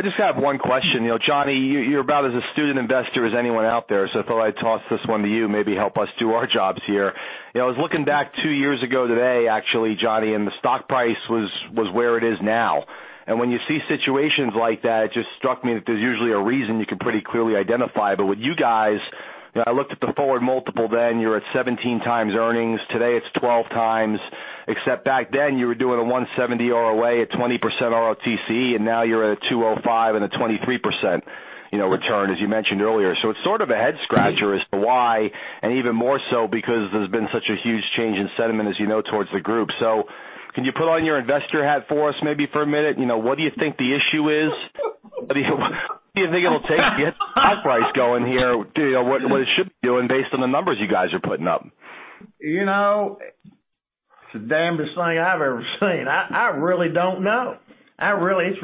I just have one question. Johnny, you're about as a student investor as anyone out there, so I thought I'd toss this one to you, maybe help us do our jobs here. I was looking back two years ago today, actually, Johnny, and the stock price was where it is now. When you see situations like that, it just struck me that there's usually a reason you can pretty clearly identify. With you guys, I looked at the forward multiple then, you were at 17 times earnings. Today, it's 12 times. Except back then, you were doing a 170 ROA at 20% ROTCE, and now you're at a 205 and a 23% return, as you mentioned earlier. It's sort of a head scratcher as to why, and even more so because there's been such a huge change in sentiment, as you know, towards the group. Can you put on your investor hat for us maybe for a minute? What do you think the issue is? What do you think it'll take to get the stock price going here, what it should be doing based on the numbers you guys are putting up? It's the damnest thing I've ever seen. I really don't know. It's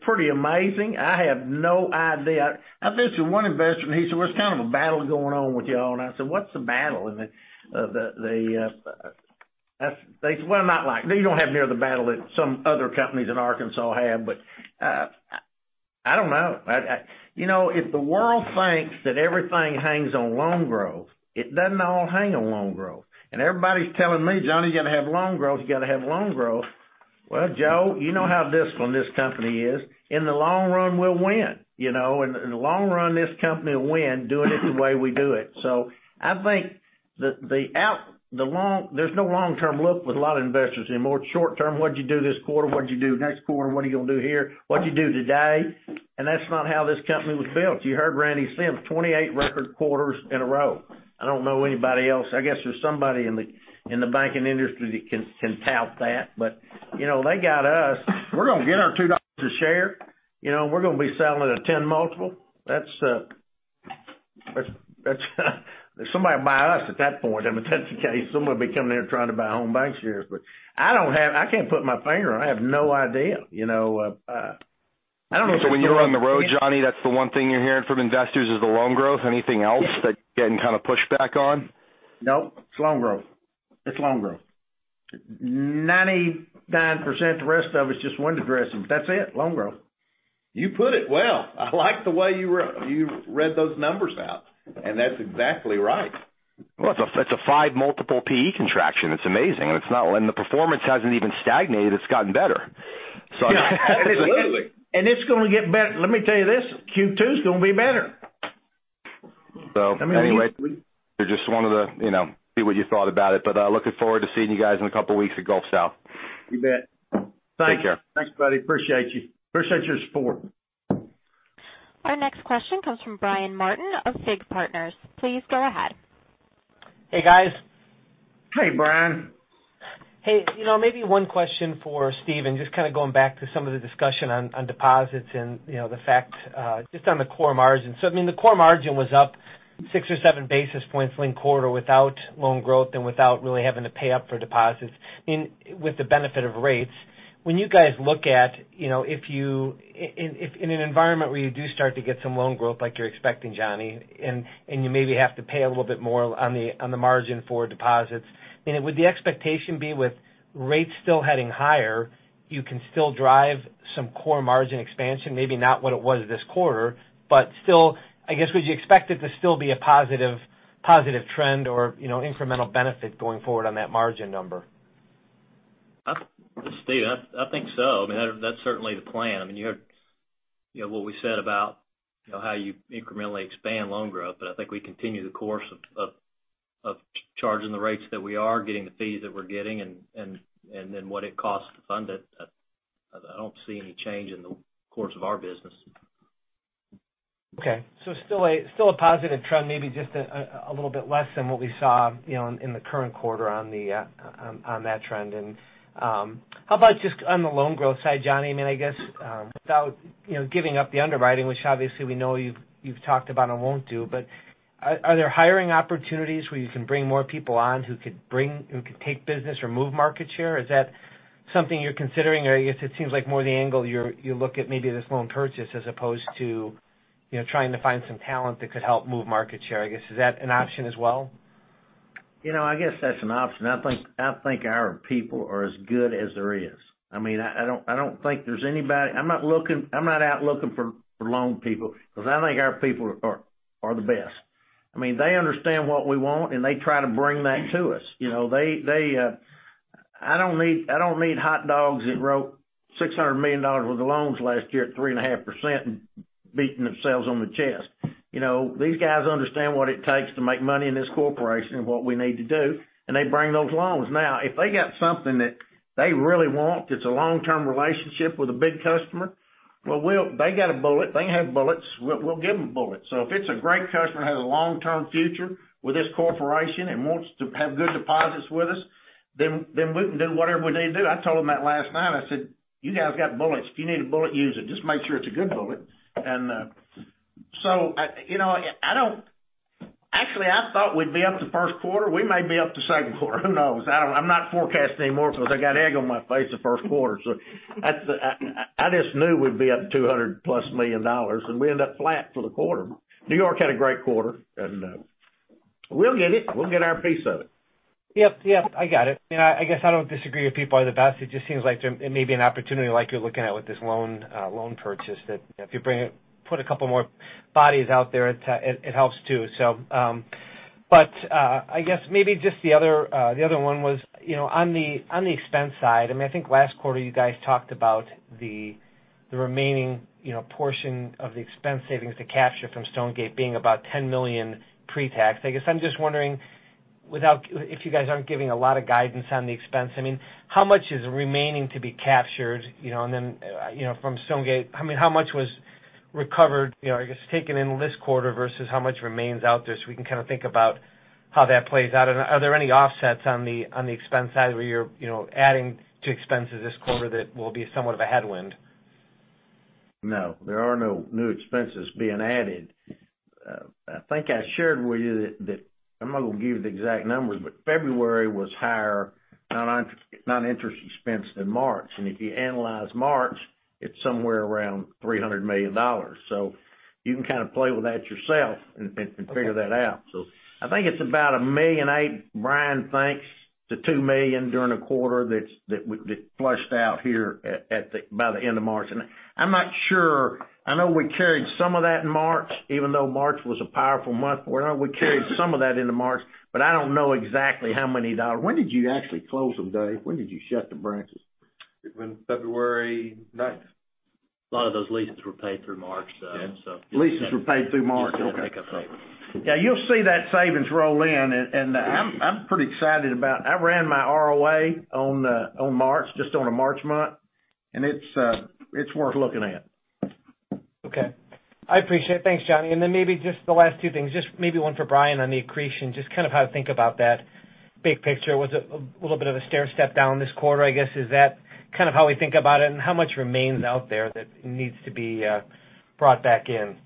pretty amazing. I have no idea. I mentioned one investor, and he said, "Well, there's kind of a battle going on with y'all," and I said, "What's the battle?" They said, "Well, not like You don't have near the battle that some other companies in Arkansas have." I don't know. If the world thinks that everything hangs on loan growth, it doesn't all hang on loan growth. Everybody's telling me, "Johnny, you got to have loan growth. You got to have loan growth." Well, Joe, you know how this one, this company is. In the long run, we'll win. In the long run, this company will win doing it the way we do it. I think there's no long-term look with a lot of investors anymore. It's short-term. What'd you do this quarter? What'd you do next quarter? What are you going to do here? What'd you do today? That's not how this company was built. You heard Randy Sims, 28 record quarters in a row. I don't know anybody else. I guess there's somebody in the banking industry that can tout that, but they got us. We're going to get our $2 a share. We're going to be selling at a 10 multiple. Somebody will buy us at that point, if that's the case. Someone will be coming here trying to buy Home BancShares. I can't put my finger on it. I have no idea. When you're on the road, Johnny, that's the one thing you're hearing from investors is the loan growth? Anything else that you're getting kind of pushback on? Nope, it's loan growth. 99%, the rest of it is just window dressing, but that's it, loan growth. You put it well. I like the way you read those numbers out, and that's exactly right. Well, it's a five multiple PE contraction. It's amazing. The performance hasn't even stagnated. It's gotten better. Absolutely. It's going to get better. Let me tell you this, Q2 is going to be better. Anyway, just wanted to see what you thought about it. Looking forward to seeing you guys in a couple of weeks at Gulf South. You bet. Take care. Thanks, buddy. Appreciate you. Appreciate your support. Our next question comes from Brian Martin of FIG Partners. Please go ahead. Hey, guys. Hey, Brian. Hey, maybe one question for Stephen, just kind of going back to some of the discussion on deposits and the fact, just on the core margin. The core margin was up six or seven basis points linked quarter without loan growth and without really having to pay up for deposits, with the benefit of rates. When you guys look at, if in an environment where you do start to get some loan growth like you're expecting, Johnny, and you maybe have to pay a little bit more on the margin for deposits, would the expectation be with rates still heading higher, you can still drive some core margin expansion, maybe not what it was this quarter, but still, I guess, would you expect it to still be a positive trend or incremental benefit going forward on that margin number? Stephen, I think so. That's certainly the plan. You heard what we said about how you incrementally expand loan growth, but I think we continue the course of charging the rates that we are, getting the fees that we're getting and then what it costs to fund it. I don't see any change in the course of our business. Okay. Still a positive trend, maybe just a little bit less than what we saw in the current quarter on that trend. How about just on the loan growth side, Johnny? I guess, without giving up the underwriting, which obviously we know you've talked about and won't do, but are there hiring opportunities where you can bring more people on who could take business or move market share? Is that something you're considering, or I guess it seems like more the angle you look at maybe this loan purchase as opposed to trying to find some talent that could help move market share. I guess, is that an option as well? I guess that's an option. I think our people are as good as there is. I don't think there's anybody. I'm not out looking for loan people because I think our people are the best. They understand what we want, and they try to bring that to us. I don't need hot dogs that wrote $600 million worth of loans last year at 3.5% and beating themselves on the chest. These guys understand what it takes to make money in this corporation and what we need to do, and they bring those loans. Now, if they got something that they really want that's a long-term relationship with a big customer, well, they got a bullet. They have bullets, we'll give them bullets. If it's a great customer, has a long-term future with this corporation and wants to have good deposits with us, we can do whatever we need to do. I told them that last night. I said, "You guys got bullets. If you need a bullet, use it. Just make sure it's a good bullet." Actually, I thought we'd be up the first quarter. We may be up the second quarter, who knows? I'm not forecasting anymore because I got egg on my face the first quarter. I just knew we'd be up $200 plus million, and we ended up flat for the quarter. New York had a great quarter. We'll get it. We'll get our piece of it. Yep, I got it. I guess I don't disagree with people are the best. It just seems like there may be an opportunity like you're looking at with this loan purchase that if you put a couple more bodies out there, it helps, too. I guess maybe just the other one was, on the expense side, I think last quarter you guys talked about the remaining portion of the expense savings to capture from Stonegate being about $10 million pre-tax. I guess I'm just wondering, if you guys aren't giving a lot of guidance on the expense, how much is remaining to be captured from Stonegate? How much was recovered, I guess, taken in this quarter versus how much remains out there so we can kind of think about how that plays out? Are there any offsets on the expense side where you're adding to expenses this quarter that will be somewhat of a headwind? No, there are no new expenses being added. I think I shared with you that, I'm not going to give you the exact numbers, February was higher non-interest expense than March. If you analyze March, it's somewhere around $300 million. You can kind of play with that yourself and figure that out. I think it's about $1.8 million, Brian, thinks to $2 million during the quarter that flushed out here by the end of March. I'm not sure. I know we carried some of that in March, even though March was a powerful month. We carried some of that into March, but I don't know exactly how many dollars. When did you actually close them, Dave? When did you shut the branches? It was February 9th. A lot of those leases were paid through March. Leases were paid through March. Okay. Yeah, you'll see that savings roll in, and I'm pretty excited about it. I ran my ROA on March, just on a March month, and it's worth looking at. Okay. I appreciate it. Thanks, Johnny. Then maybe just the last two things, just maybe one for Brian on the accretion, just kind of how to think about that big picture. Was it a little bit of a stair step down this quarter, I guess? Is that kind of how we think about it, and how much remains out there that needs to be brought back in?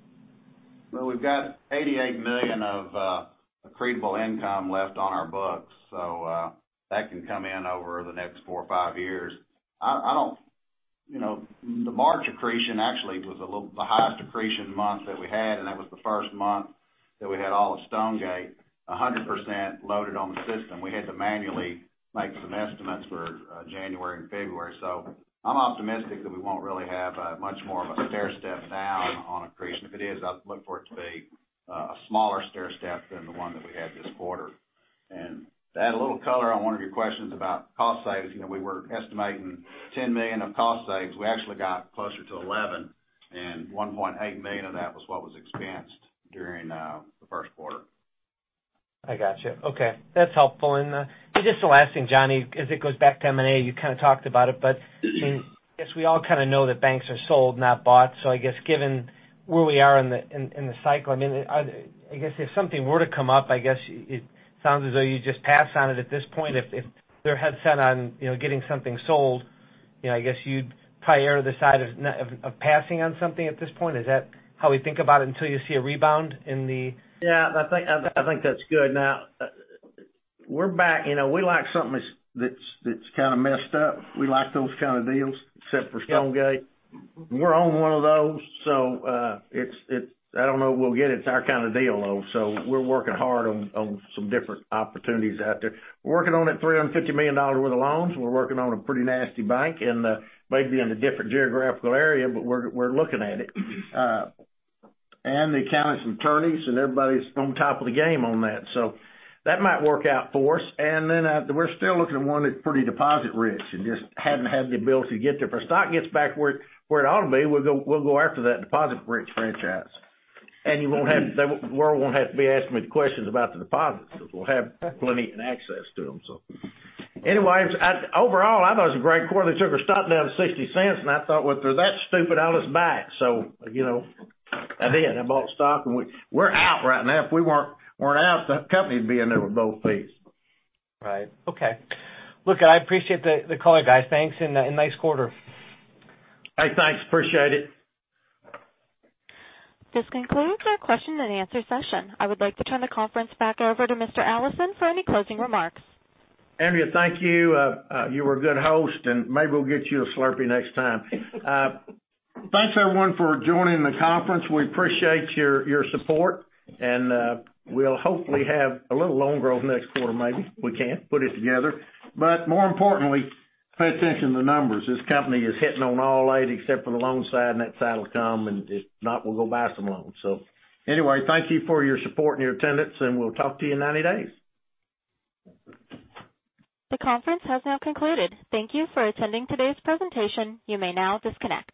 We've got $88 million of accretable income left on our books, that can come in over the next four or five years. The March accretion actually was the highest accretion month that we had, and that was the first month that we had all of Stonegate 100% loaded on the system. We had to manually make some estimates for January and February. I'm optimistic that we won't really have much more of a stair step down on accretion. If it is, I'd look for it to be a smaller stair step than the one that we had this quarter. To add a little color on one of your questions about cost savings, we were estimating $10 million of cost saves. We actually got closer to $11 million, and $1.8 million of that was what was expensed during the first quarter. I got you. That's helpful. Just the last thing, Johnny, as it goes back to M&A, you kind of talked about it, but I guess we all kind of know that banks are sold, not bought. Given where we are in the cycle, if something were to come up, I guess it sounds as though you just pass on it at this point, if they're dead set on getting something sold, I guess you'd probably err on the side of passing on something at this point. Is that how we think about it until you see a rebound in the- Yeah, I think that's good. We like something that's kind of messed up. We like those kind of deals, except for Stonegate. I don't know if we'll get it. It's our kind of deal, though, we're working hard on some different opportunities out there. We're working on that $350 million worth of loans. We're working on a pretty nasty bank, and maybe in a different geographical area, but we're looking at it. The accountants and attorneys and everybody's on top of the game on that. That might work out for us. Then we're still looking at one that's pretty deposit-rich and just haven't had the ability to get to. If our stock gets back where it ought to be, we'll go after that deposit-rich franchise. The world won't have to be asking me the questions about the deposits, because we'll have plenty access to them. Anyways, overall, I thought it was a great quarter. They took our stock down to $0.60, and I thought, "If they're that stupid, I'll just buy it." I did. I bought stock, and we're out right now. If we weren't out, the company would be under both feet. Right. Okay. Look, I appreciate the color, guys. Thanks. Nice quarter. Hey, thanks. Appreciate it. This concludes our question and answer session. I would like to turn the conference back over to Mr. Allison for any closing remarks. Andrea, thank you. You were a good host, and maybe we'll get you a Slurpee next time. Thanks, everyone, for joining the conference. We appreciate your support, and we'll hopefully have a little loan growth next quarter, maybe. We can put it together. More importantly, pay attention to the numbers. This company is hitting on all eight except for the loan side, and that side will come, and if not, we'll go buy some loans. Anyway, thank you for your support and your attendance, and we'll talk to you in 90 days. The conference has now concluded. Thank you for attending today's presentation. You may now disconnect.